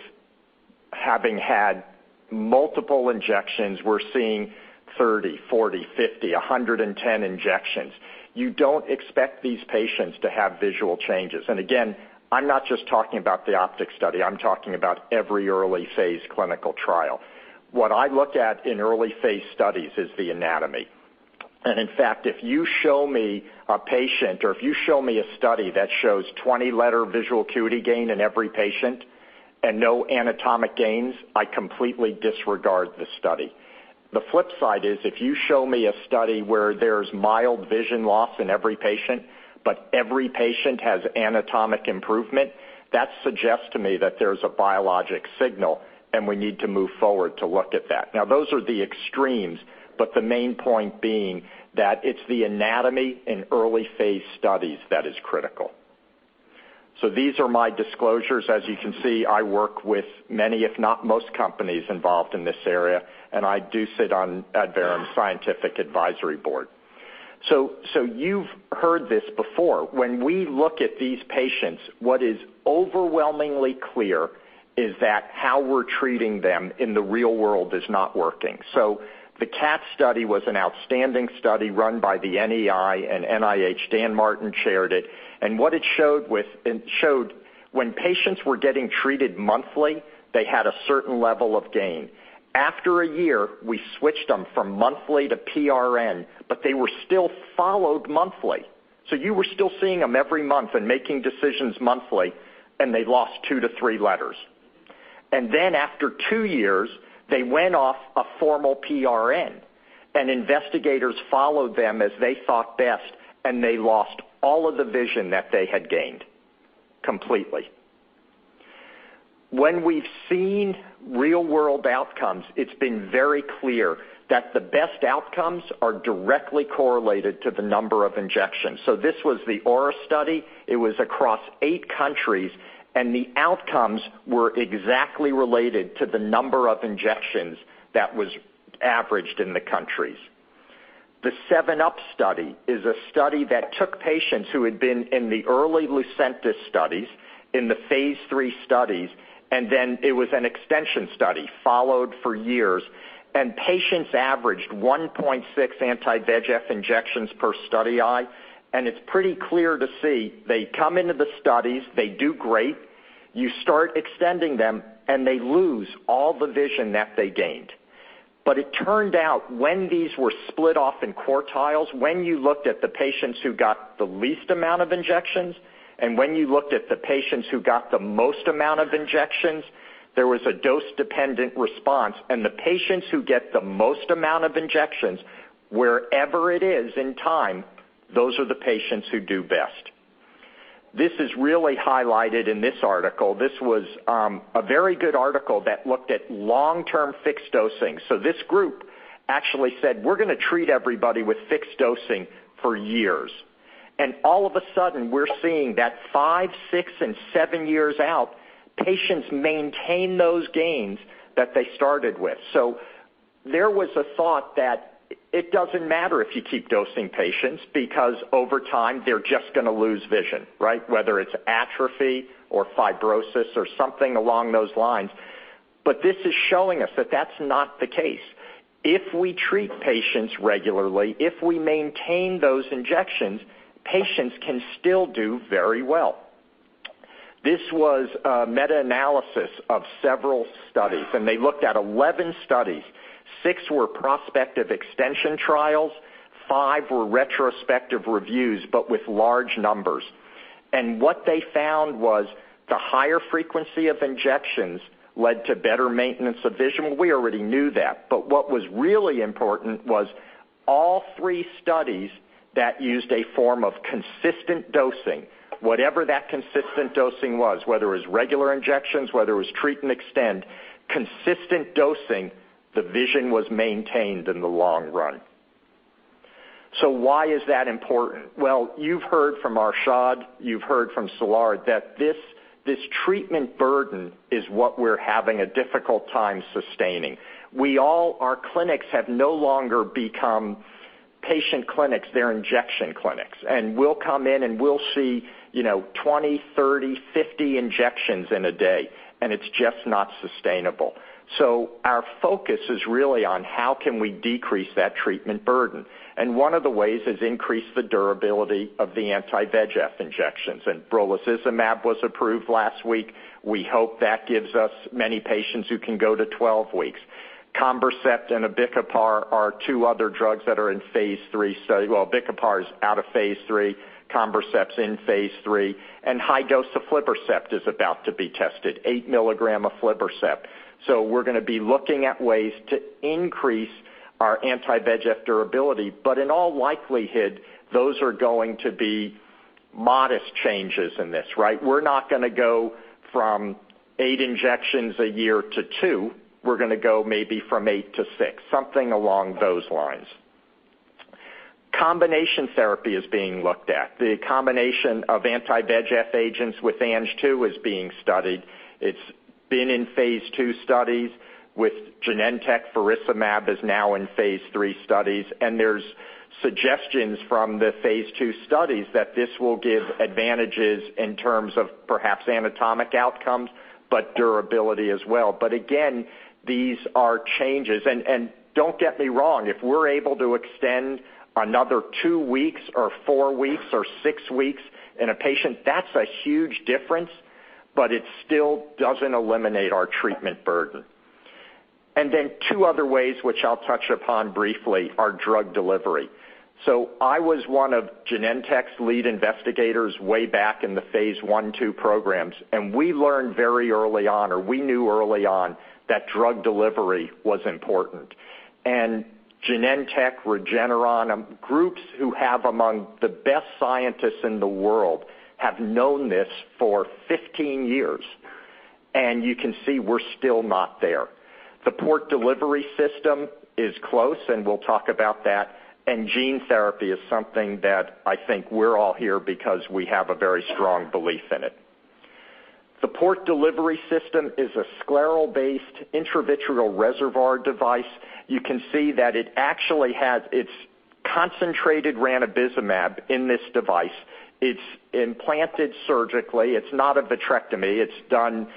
having had multiple injections, we're seeing 30, 40, 50, 110 injections. You don't expect these patients to have visual changes. Again, I'm not just talking about the OPTIC study, I'm talking about every early phase clinical trial. What I look at in early phase studies is the anatomy. In fact, if you show me a patient, or if you show me a study that shows 20 letter visual acuity gain in every patient and no anatomic gains, I completely disregard the study. The flip side is, if you show me a study where there's mild vision loss in every patient, but every patient has anatomic improvement, that suggests to me that there's a biologic signal, and we need to move forward to look at that. Those are the extremes, the main point being that it's the anatomy in early phase studies that is critical. These are my disclosures. As you can see, I work with many, if not most, companies involved in this area, and I do sit on Adverum's scientific advisory board. You've heard this before. We look at these patients, what is overwhelmingly clear is that how we're treating them in the real world is not working. The CATT study was an outstanding study run by the NEI and NIH. Dan Martin chaired it. What it showed, when patients were getting treated monthly, they had a certain level of gain. After a year, we switched them from monthly to PRN, but they were still followed monthly. You were still seeing them every month and making decisions monthly, and they lost two to three letters. After two years, they went off a formal PRN, and investigators followed them as they thought best, and they lost all of the vision that they had gained. Completely. When we've seen real-world outcomes, it's been very clear that the best outcomes are directly correlated to the number of injections. This was the AURA study. It was across eight countries, and the outcomes were exactly related to the number of injections that was averaged in the countries. The SEVEN-UP study is a study that took patients who had been in the early LUCENTIS studies, in the phase III studies, and then it was an extension study followed for years, and patients averaged 1.6 anti-VEGF injections per study eye, and it's pretty clear to see they come into the studies, they do great, you start extending them, and they lose all the vision that they gained. It turned out when these were split off in quartiles, when you looked at the patients who got the least amount of injections, and when you looked at the patients who got the most amount of injections, there was a dose-dependent response. The patients who get the most amount of injections, wherever it is in time, those are the patients who do best. This is really highlighted in this article. This was a very good article that looked at long-term fixed dosing. This group actually said, "We're going to treat everybody with fixed dosing for years." All of a sudden, we're seeing that five, six, and seven years out, patients maintain those gains that they started with. There was a thought that it doesn't matter if you keep dosing patients because over time they're just going to lose vision, right. Whether it's atrophy or fibrosis or something along those lines. This is showing us that that's not the case. If we treat patients regularly, if we maintain those injections, patients can still do very well. This was a meta-analysis of several studies, and they looked at 11 studies. Six were prospective extension trials, five were retrospective reviews, but with large numbers. What they found was the higher frequency of injections led to better maintenance of vision. We already knew that. What was really important was all three studies that used a form of consistent dosing, whatever that consistent dosing was, whether it was regular injections, whether it was treat and extend, consistent dosing, the vision was maintained in the long run. Why is that important? Well, you've heard from Arshad, you've heard from Salar that this treatment burden is what we're having a difficult time sustaining. Our clinics have no longer become patient clinics, they're injection clinics. We'll come in and we'll see 20, 30, 50 injections in a day, and it's just not sustainable. Our focus is really on how can we decrease that treatment burden. One of the ways is increase the durability of the anti-VEGF injections. brolucizumab was approved last week. We hope that gives us many patients who can go to 12 weeks. conbercept and abicipar are two other drugs that are in phase III study. abicipar is out of phase III. conbercept's in phase III. High dose aflibercept is about to be tested, eight milligram aflibercept. We're going to be looking at ways to increase our anti-VEGF durability. In all likelihood, those are going to be modest changes in this, right? We're not going to go from eight injections a year to two. We're going to go maybe from eight to six, something along those lines. Combination therapy is being looked at. The combination of anti-VEGF agents with Ang-2 is being studied. It's been in phase II studies. With Genentech, faricimab is now in phase III studies, there's suggestions from the phase II studies that this will give advantages in terms of perhaps anatomic outcomes, but durability as well. Again, these are changes. Don't get me wrong, if we're able to extend another two weeks or four weeks or six weeks in a patient, that's a huge difference, but it still doesn't eliminate our treatment burden. Then two other ways, which I'll touch upon briefly, are drug delivery. I was one of Genentech's lead investigators way back in the phase I, II programs, we learned very early on, or we knew early on, that drug delivery was important. Genentech, Regeneron, groups who have among the best scientists in the world have known this for 15 years. You can see we're still not there. The Port Delivery System is close, we'll talk about that, gene therapy is something that I think we're all here because we have a very strong belief in it. The Port Delivery System is a scleral-based, intravitreal reservoir device. You can see that it actually has its concentrated ranibizumab in this device. It's implanted surgically. It's not a vitrectomy. It's done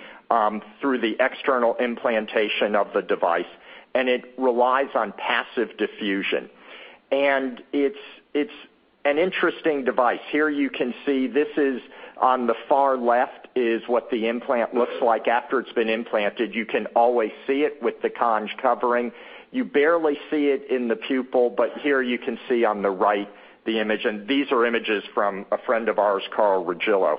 through the external implantation of the device, it relies on passive diffusion. It's an interesting device. Here you can see, this is on the far left is what the implant looks like after it's been implanted. You can always see it with the conj covering. You barely see it in the pupil, here you can see on the right the image. These are images from a friend of ours, Carl Regillo.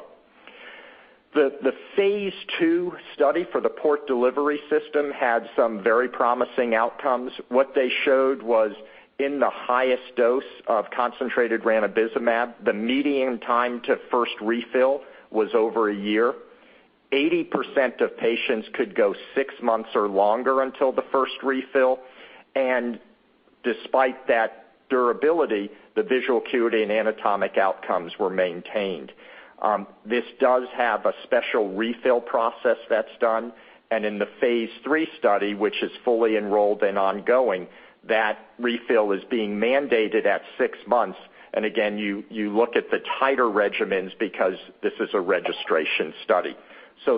The phase II study for the Port Delivery System had some very promising outcomes. What they showed was in the highest dose of concentrated ranibizumab, the median time to first refill was over a year. 80% of patients could go six months or longer until the first refill. Despite that durability, the visual acuity and anatomic outcomes were maintained. This does have a special refill process that's done, and in the phase III study, which is fully enrolled and ongoing, that refill is being mandated at six months. Again, you look at the tighter regimens because this is a registration study.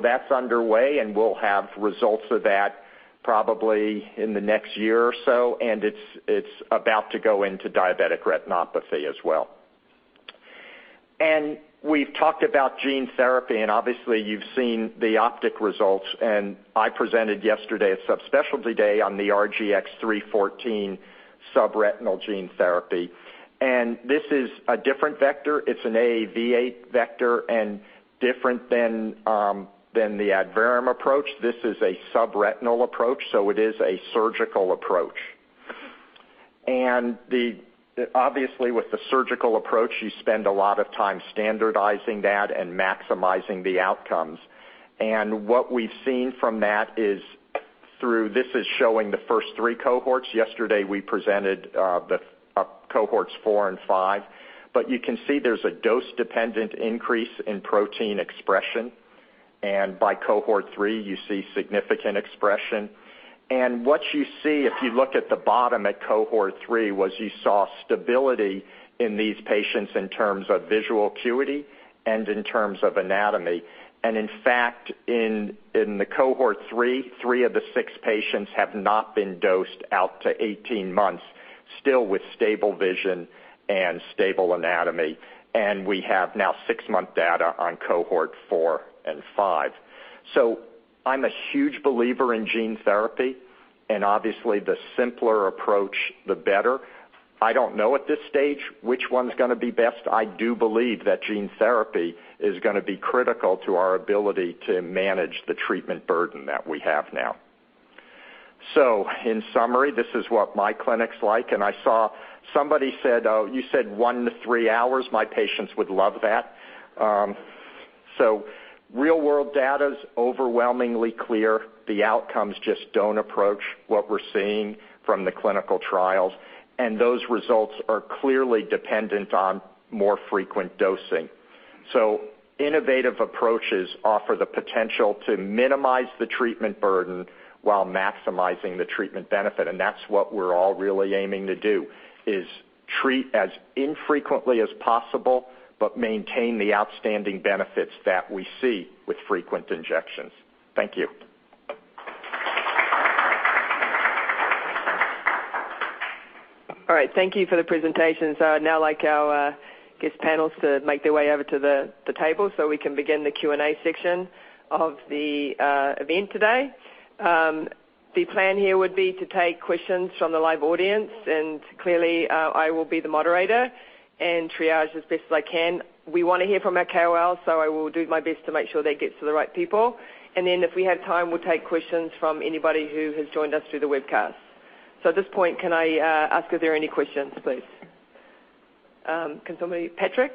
That's underway, and we'll have results of that probably in the next year or so, and it's about to go into diabetic retinopathy as well. We've talked about gene therapy, obviously you've seen the OPTIC results, I presented yesterday at Subspecialty Day on the RGX-314 subretinal gene therapy. This is a different vector. It's an AAV8 vector and different than the Adverum approach. This is a subretinal approach, so it is a surgical approach. Obviously, with the surgical approach, you spend a lot of time standardizing that and maximizing the outcomes. What we've seen from that is this is showing the first three cohorts. Yesterday, we presented cohorts four and five. You can see there's a dose-dependent increase in protein expression. By cohort three, you see significant expression. What you see if you look at the bottom at cohort three was you saw stability in these patients in terms of visual acuity and in terms of anatomy. In fact, in the cohort 3, three of the six patients have not been dosed out to 18 months, still with stable vision and stable anatomy. We have now six-month data on cohort 4 and 5. I'm a huge believer in gene therapy, and obviously the simpler approach, the better. I don't know at this stage which one's going to be best. I do believe that gene therapy is going to be critical to our ability to manage the treatment burden that we have now. In summary, this is what my clinic's like. I saw somebody said, "Oh, you said 1 to 3 hours. My patients would love that." Real-world data's overwhelmingly clear. The outcomes just don't approach what we're seeing from the clinical trials, and those results are clearly dependent on more frequent dosing. Innovative approaches offer the potential to minimize the treatment burden while maximizing the treatment benefit. That's what we're all really aiming to do, is treat as infrequently as possible, but maintain the outstanding benefits that we see with frequent injections. Thank you. All right. Thank you for the presentation. I'd now like our guest panels to make their way over to the table so we can begin the Q&A section of the event today. The plan here would be to take questions from the live audience. Clearly, I will be the moderator and triage as best as I can. We want to hear from our KOLs. I will do my best to make sure they get to the right people. If we have time, we'll take questions from anybody who has joined us through the webcast. At this point, can I ask, are there any questions, please? Patrick?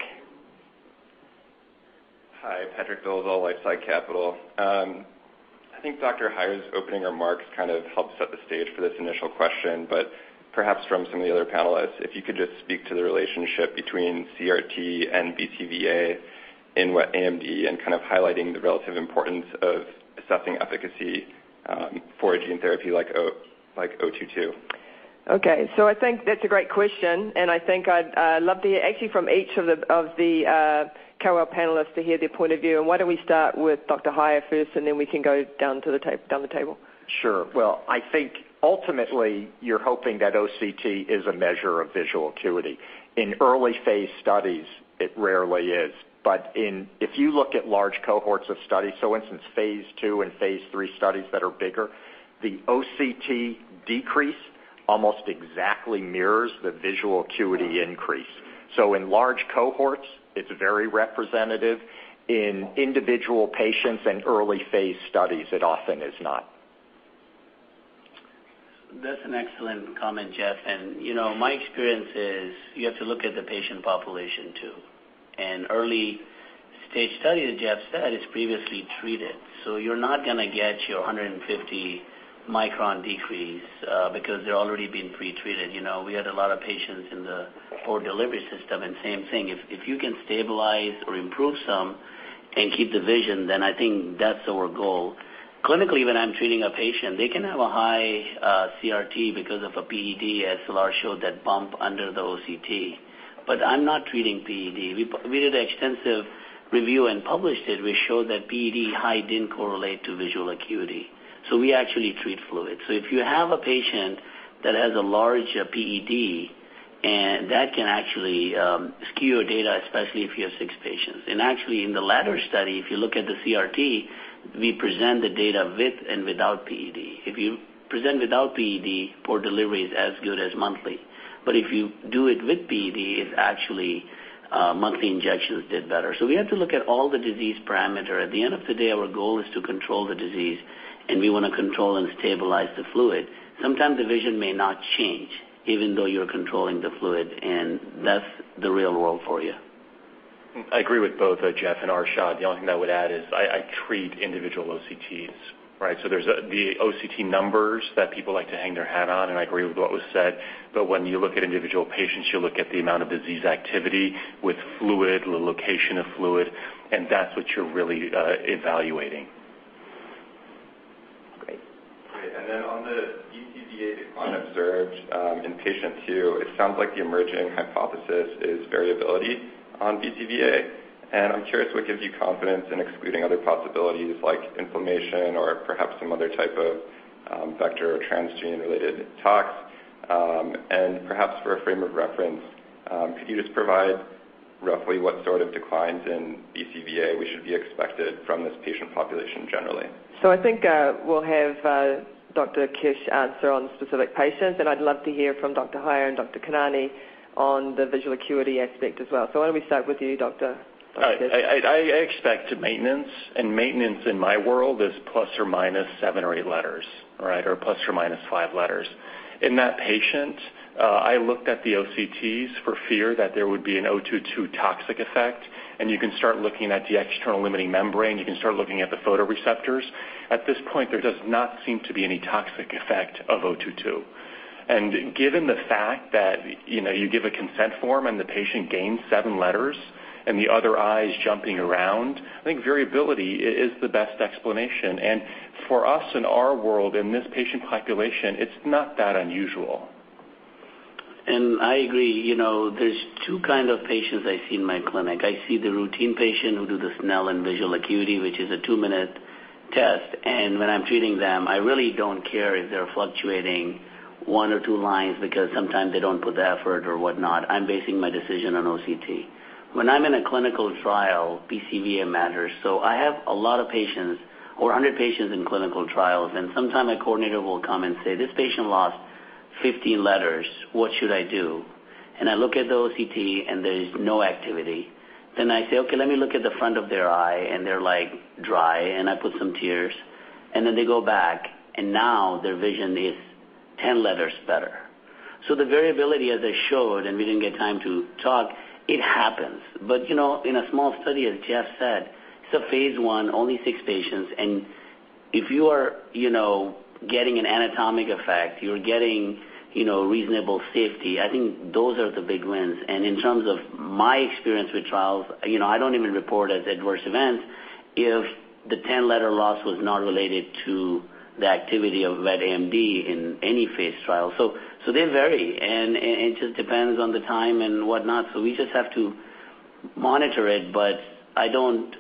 Hi, Patrick Dolezal, LifeSci Capital. I think Dr. Heier's opening remarks kind of helped set the stage for this initial question, but perhaps from some of the other panelists, if you could just speak to the relationship between CRT and BCVA? In wet AMD and highlighting the relative importance of assessing efficacy for a gene therapy like 022. Okay. I think that's a great question, and I think I'd love to, actually from each of the panelists, to hear their point of view. Why don't we start with Dr. Heier first, and then we can go down the table. Sure. Well, I think ultimately you're hoping that OCT is a measure of visual acuity. In early-phase studies, it rarely is. If you look at large cohorts of studies, for instance, phase II and phase III studies that are bigger, the OCT decrease almost exactly mirrors the visual acuity increase. In large cohorts, it's very representative. In individual patients and early-phase studies, it often is not. That's an excellent comment, Jeff, my experience is you have to look at the patient population, too. An early-stage study, as Jeff said, is previously treated. You're not going to get your 150 micron decrease because they're already been pretreated. We had a lot of patients in the Port Delivery System, same thing. If you can stabilize or improve some and keep the vision, then I think that's our goal. Clinically, when I'm treating a patient, they can have a high CRT because of a PED, as Salar showed that bump under the OCT. I'm not treating PED. We did an extensive review and published it, which showed that PED high didn't correlate to visual acuity. We actually treat fluid. If you have a patient that has a large PED, and that can actually skew your data, especially if you have six patients. Actually, in the LADDER study, if you look at the CRT, we present the data with and without PED. If you present without PED, Port Delivery is as good as monthly. If you do it with PED, it's actually monthly injections did better. We have to look at all the disease parameter. At the end of the day, our goal is to control the disease, and we want to control and stabilize the fluid. Sometimes the vision may not change even though you're controlling the fluid, and that's the real world for you. I agree with both Jeff and Arshad. The only thing I would add is I treat individual OCTs. Right? There's the OCT numbers that people like to hang their hat on, and I agree with what was said, but when you look at individual patients, you look at the amount of disease activity with fluid, the location of fluid, and that's what you're really evaluating. Great. Great. On the BCVA decline observed in patient 2, it sounds like the emerging hypothesis is variability on BCVA. I'm curious what gives you confidence in excluding other possibilities like inflammation or perhaps some other type of vector or transgene-related tox. Perhaps for a frame of reference, could you just provide roughly what sort of declines in BCVA we should be expected from this patient population generally? I think we'll have Dr. Kiss answer on specific patients, and I'd love to hear from Dr. Heier and Dr. Khanani on the visual acuity aspect as well. Why don't we start with you, Doctor? I expect maintenance. Maintenance in my world is ± seven or eight letters. Right? ± five letters. In that patient, I looked at the OCTs for fear that there would be an ADVM-022 toxic effect. You can start looking at the external limiting membrane. You can start looking at the photoreceptors. At this point, there does not seem to be any toxic effect of ADVM-022. Given the fact that you give a consent form and the patient gains seven letters and the other eye is jumping around, I think variability is the best explanation. For us in our world, in this patient population, it's not that unusual. I agree. There's two kind of patients I see in my clinic. I see the routine patient who do the Snellen visual acuity, which is a two-minute test. When I'm treating them, I really don't care if they're fluctuating one or two lines because sometimes they don't put the effort or whatnot. I'm basing my decision on OCT. When I'm in a clinical trial, BCVA matters. I have a lot of patients or 100 patients in clinical trials, and sometimes my coordinator will come and say, "This patient lost 15 letters. What should I do?" I look at the OCT, and there is no activity. I say, "Okay, let me look at the front of their eye," and they're like, dry, and I put some tears, and then they go back, and now their vision is 10 letters better. The variability as I showed, and we didn't get time to talk, it happens. In a small study, as Jeff said, it's a phase I, only six patients, and if you are getting an anatomic effect, you're getting reasonable safety, I think those are the big wins. In terms of my experience with trials, I don't even report as adverse events if the 10 letter loss was not related to the activity of wet AMD in any phase trial. They vary, and it just depends on the time and whatnot. We just have to monitor it, but I don't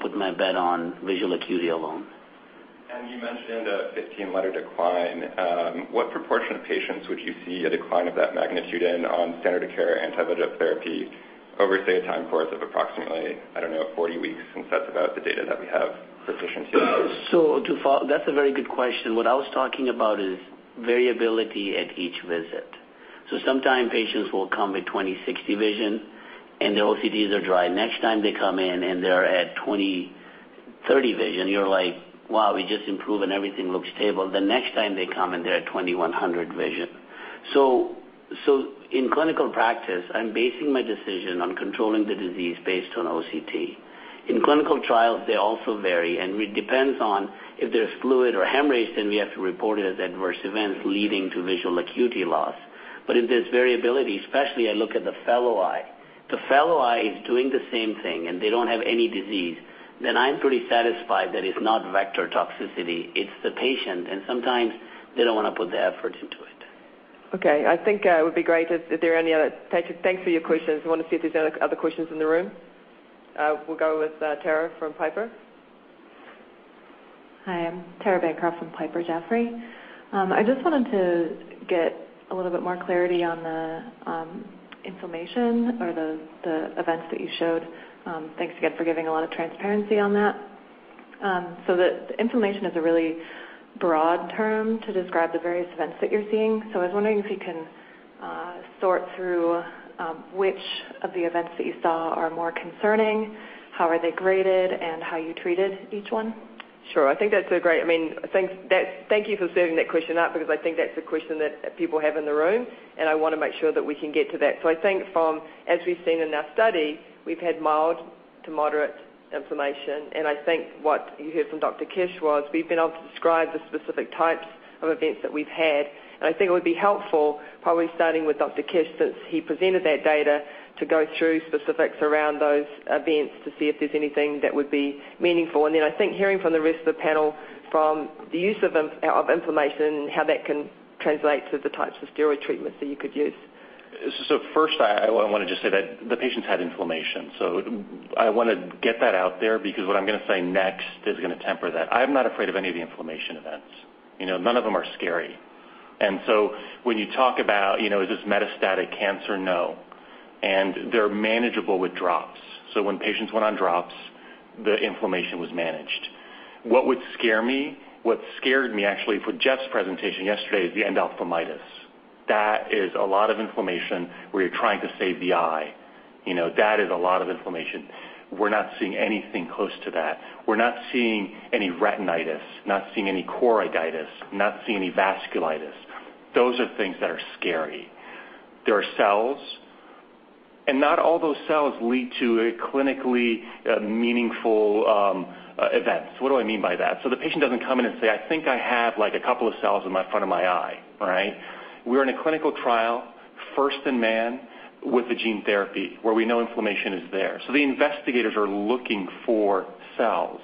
put my bet on visual acuity alone. You mentioned a 15-letter decline. What proportion of patients would you see a decline of that magnitude in on standard of care anti-VEGF therapy over, say, a time course of approximately, I don't know, 40 weeks? Since that's about the data that we have for patients here. That's a very good question. What I was talking about is variability at each visit. Sometimes patients will come with 20/60 vision, and their OCTs are dry. Next time they come in and they're at 20/30 vision. You're like, "Wow, we just improved, and everything looks stable." The next time they come in, they're at 20/100 vision. In clinical practice, I'm basing my decision on controlling the disease based on OCT. In clinical trials, they also vary, and it depends on if there's fluid or hemorrhage, then we have to report it as adverse events leading to visual acuity loss. If there's variability, especially I look at the fellow eye. The fellow eye is doing the same thing, and they don't have any disease, then I'm pretty satisfied that it's not vector toxicity, it's the patient, and sometimes they don't want to put the effort into it. Okay. I think it would be great if there are any other. Thanks for your questions. I want to see if there's any other questions in the room. We'll go with Tara from Piper. Hi, I'm Tara Bancroft from Piper Jaffray. I just wanted to get a little bit more clarity on the inflammation or the events that you showed. Thanks again for giving a lot of transparency on that. The inflammation is a really broad term to describe the various events that you're seeing. I was wondering if you can sort through which of the events that you saw are more concerning, how are they graded, and how you treated each one? Sure. Thank you for setting that question up because I think that's a question that people have in the room, and I want to make sure that we can get to that. I think, as we've seen in our study, we've had mild to moderate inflammation, and I think what you heard from Dr. Kiss was we've been able to describe the specific types of events that we've had. I think it would be helpful, probably starting with Dr. Kiss, since he presented that data, to go through specifics around those events to see if there's anything that would be meaningful. I think hearing from the rest of the panel from the use of inflammation and how that can translate to the types of steroid treatments that you could use. First, I want to just say that the patients had inflammation. I want to get that out there because what I'm going to say next is going to temper that. I'm not afraid of any of the inflammation events. None of them are scary. When you talk about, is this metastatic cancer? No. They're manageable with drops. When patients went on drops, the inflammation was managed. What would scare me, what scared me actually for Jeff's presentation yesterday is the endophthalmitis. That is a lot of inflammation where you're trying to save the eye. That is a lot of inflammation. We're not seeing anything close to that. We're not seeing any retinitis, not seeing any choroiditis, not seeing any vasculitis. Those are things that are scary. There are cells, and not all those cells lead to a clinically meaningful event. What do I mean by that? The patient doesn't come in and say, "I think I have a couple of cells in my front of my eye." Right? We're in a clinical trial, first in man, with a gene therapy where we know inflammation is there. The investigators are looking for cells.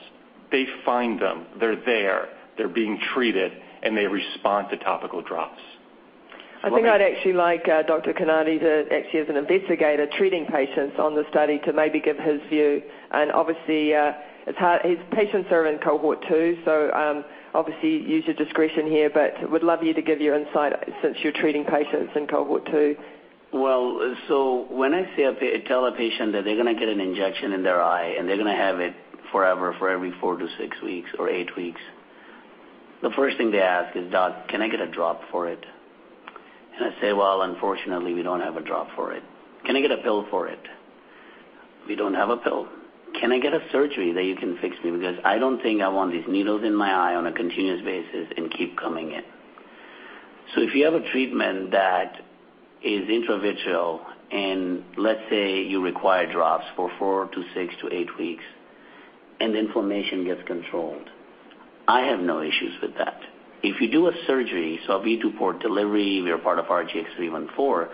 They find them, they're there, they're being treated, and they respond to topical drops. I think I'd actually like Dr. Khanani to, actually as an investigator treating patients on the study, to maybe give his view. Obviously, his patients are in cohort two, so, obviously, use your discretion here, but would love you to give your insight since you're treating patients in cohort two. Well, when I tell a patient that they're going to get an injection in their eye and they're going to have it forever for every 4 to 6 weeks or 8 weeks, the first thing they ask is, "Doc, can I get a drop for it?" I say, "Well, unfortunately, we don't have a drop for it." "Can I get a pill for it?" "We don't have a pill." "Can I get a surgery that you can fix me? Because I don't think I want these needles in my eye on a continuous basis and keep coming in." If you have a treatment that is intravitreal, and let's say you require drops for 4 to 6 to 8 weeks and inflammation gets controlled, I have no issues with that. If you do a surgery, subretinal port delivery, we are part of RGX-314,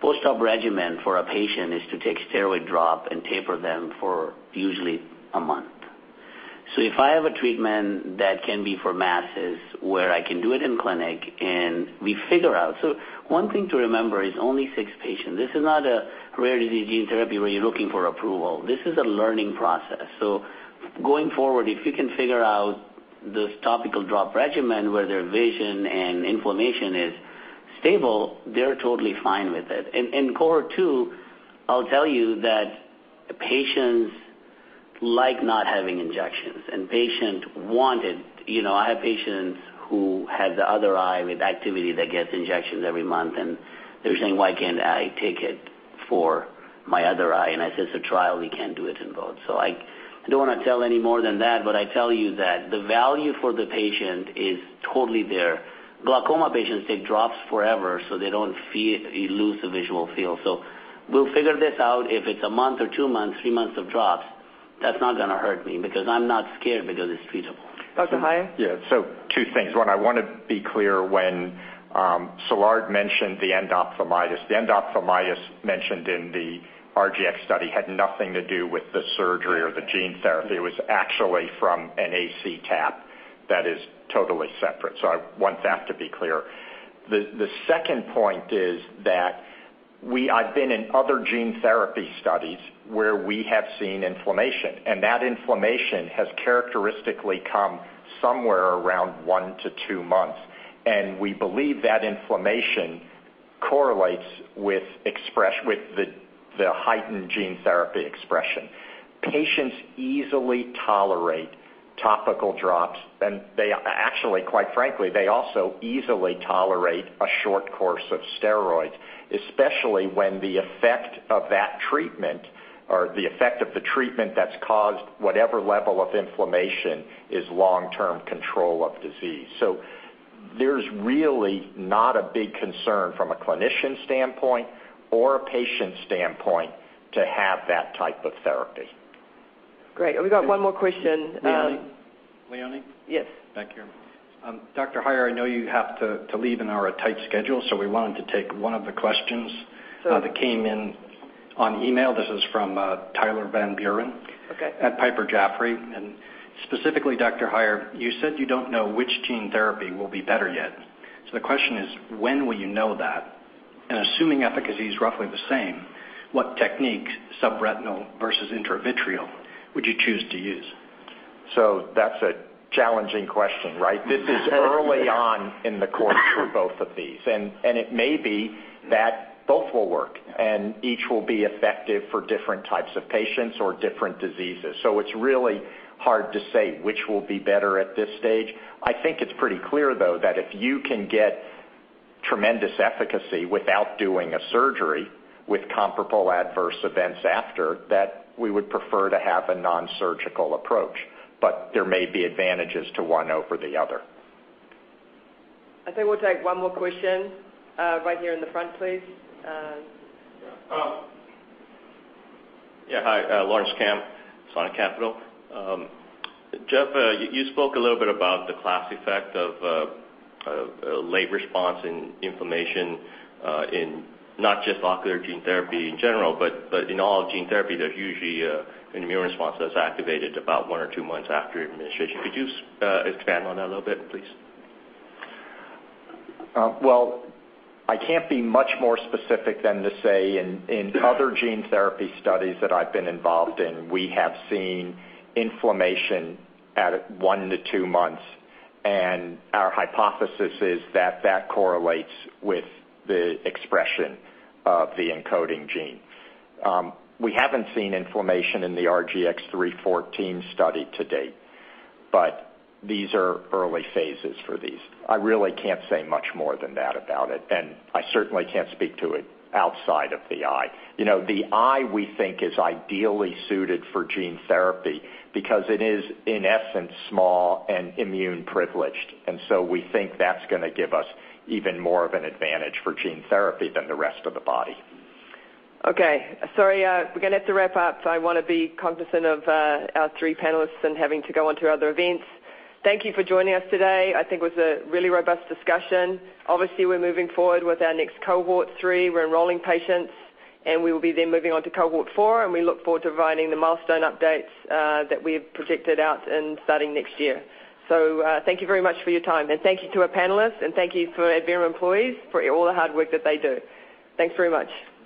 post-op regimen for a patient is to take steroid drop and taper them for usually a month. If I have a treatment that can be for masses where I can do it in clinic and one thing to remember, it's only six patients. This is not a rare disease gene therapy where you're looking for approval. This is a learning process. Going forward, if you can figure out this topical drop regimen where their vision and inflammation is stable, they're totally fine with it. In cohort 2, I'll tell you that patients like not having injections. I have patients who had the other eye with activity that gets injections every month, and they were saying, "Why can't I take it for my other eye?" I said, "It's a trial. We can't do it in both." I don't want to tell any more than that, but I tell you that the value for the patient is totally there. Glaucoma patients take drops forever, so they don't lose the visual field. We'll figure this out. If it's a month or two months, three months of drops, that's not going to hurt me because I'm not scared because it's treatable. Dr. Heier? Yeah. Two things. One, I want to be clear when Salar mentioned the endophthalmitis. The endophthalmitis mentioned in the RGX study had nothing to do with the surgery or the gene therapy. It was actually from an AC tap that is totally separate. The second point is that I've been in other gene therapy studies where we have seen inflammation, and that inflammation has characteristically come somewhere around one to two months. We believe that inflammation correlates with the heightened gene therapy expression. Patients easily tolerate topical drops, and they actually, quite frankly, they also easily tolerate a short course of steroids, especially when the effect of that treatment or the effect of the treatment that's caused whatever level of inflammation is long-term control of disease. There's really not a big concern from a clinician standpoint or a patient standpoint to have that type of therapy. Great. We got one more question. Leone? Leone? Yes. Thank you. Dr. Heier, I know you have to leave and are on a tight schedule, so we wanted to take one of the questions that came in on email. This is from Tyler Van Buren at Piper Jaffray. Specifically, Dr. Heier, you said you don't know which gene therapy will be better yet. The question is, when will you know that? Assuming efficacy is roughly the same, what technique, subretinal versus intravitreal, would you choose to use? That's a challenging question, right? This is early on in the course for both of these, and it may be that both will work, and each will be effective for different types of patients or different diseases. It's really hard to say which will be better at this stage. I think it's pretty clear, though, that if you can get tremendous efficacy without doing a surgery with comparable adverse events after, that we would prefer to have a non-surgical approach. There may be advantages to one over the other. I think we'll take one more question. Right here in the front, please. Yeah. Hi. Lawrence Kam, Sonic Capital. Jeff, you spoke a little bit about the class effect of late response and inflammation in not just ocular gene therapy in general, but in all gene therapy, there's usually an immune response that's activated about one or two months after administration. Could you expand on that a little bit, please? Well, I can't be much more specific than to say in other gene therapy studies that I've been involved in, we have seen inflammation at one to two months, and our hypothesis is that that correlates with the expression of the encoding gene. We haven't seen inflammation in the RGX-314 study to date, but these are early phases for these. I really can't say much more than that about it, and I certainly can't speak to it outside of the eye. The eye, we think, is ideally suited for gene therapy because it is, in essence, small and immune-privileged. We think that's going to give us even more of an advantage for gene therapy than the rest of the body. Okay. Sorry, we're going to have to wrap up. I want to be cognizant of our three panelists and having to go on to other events. Thank you for joining us today. I think it was a really robust discussion. Obviously, we're moving forward with our next Cohort 3. We're enrolling patients, we will be then moving on to Cohort 4, we look forward to providing the milestone updates that we have projected out and starting next year. Thank you very much for your time, thank you to our panelists, thank you to Adverum employees for all the hard work that they do. Thanks very much.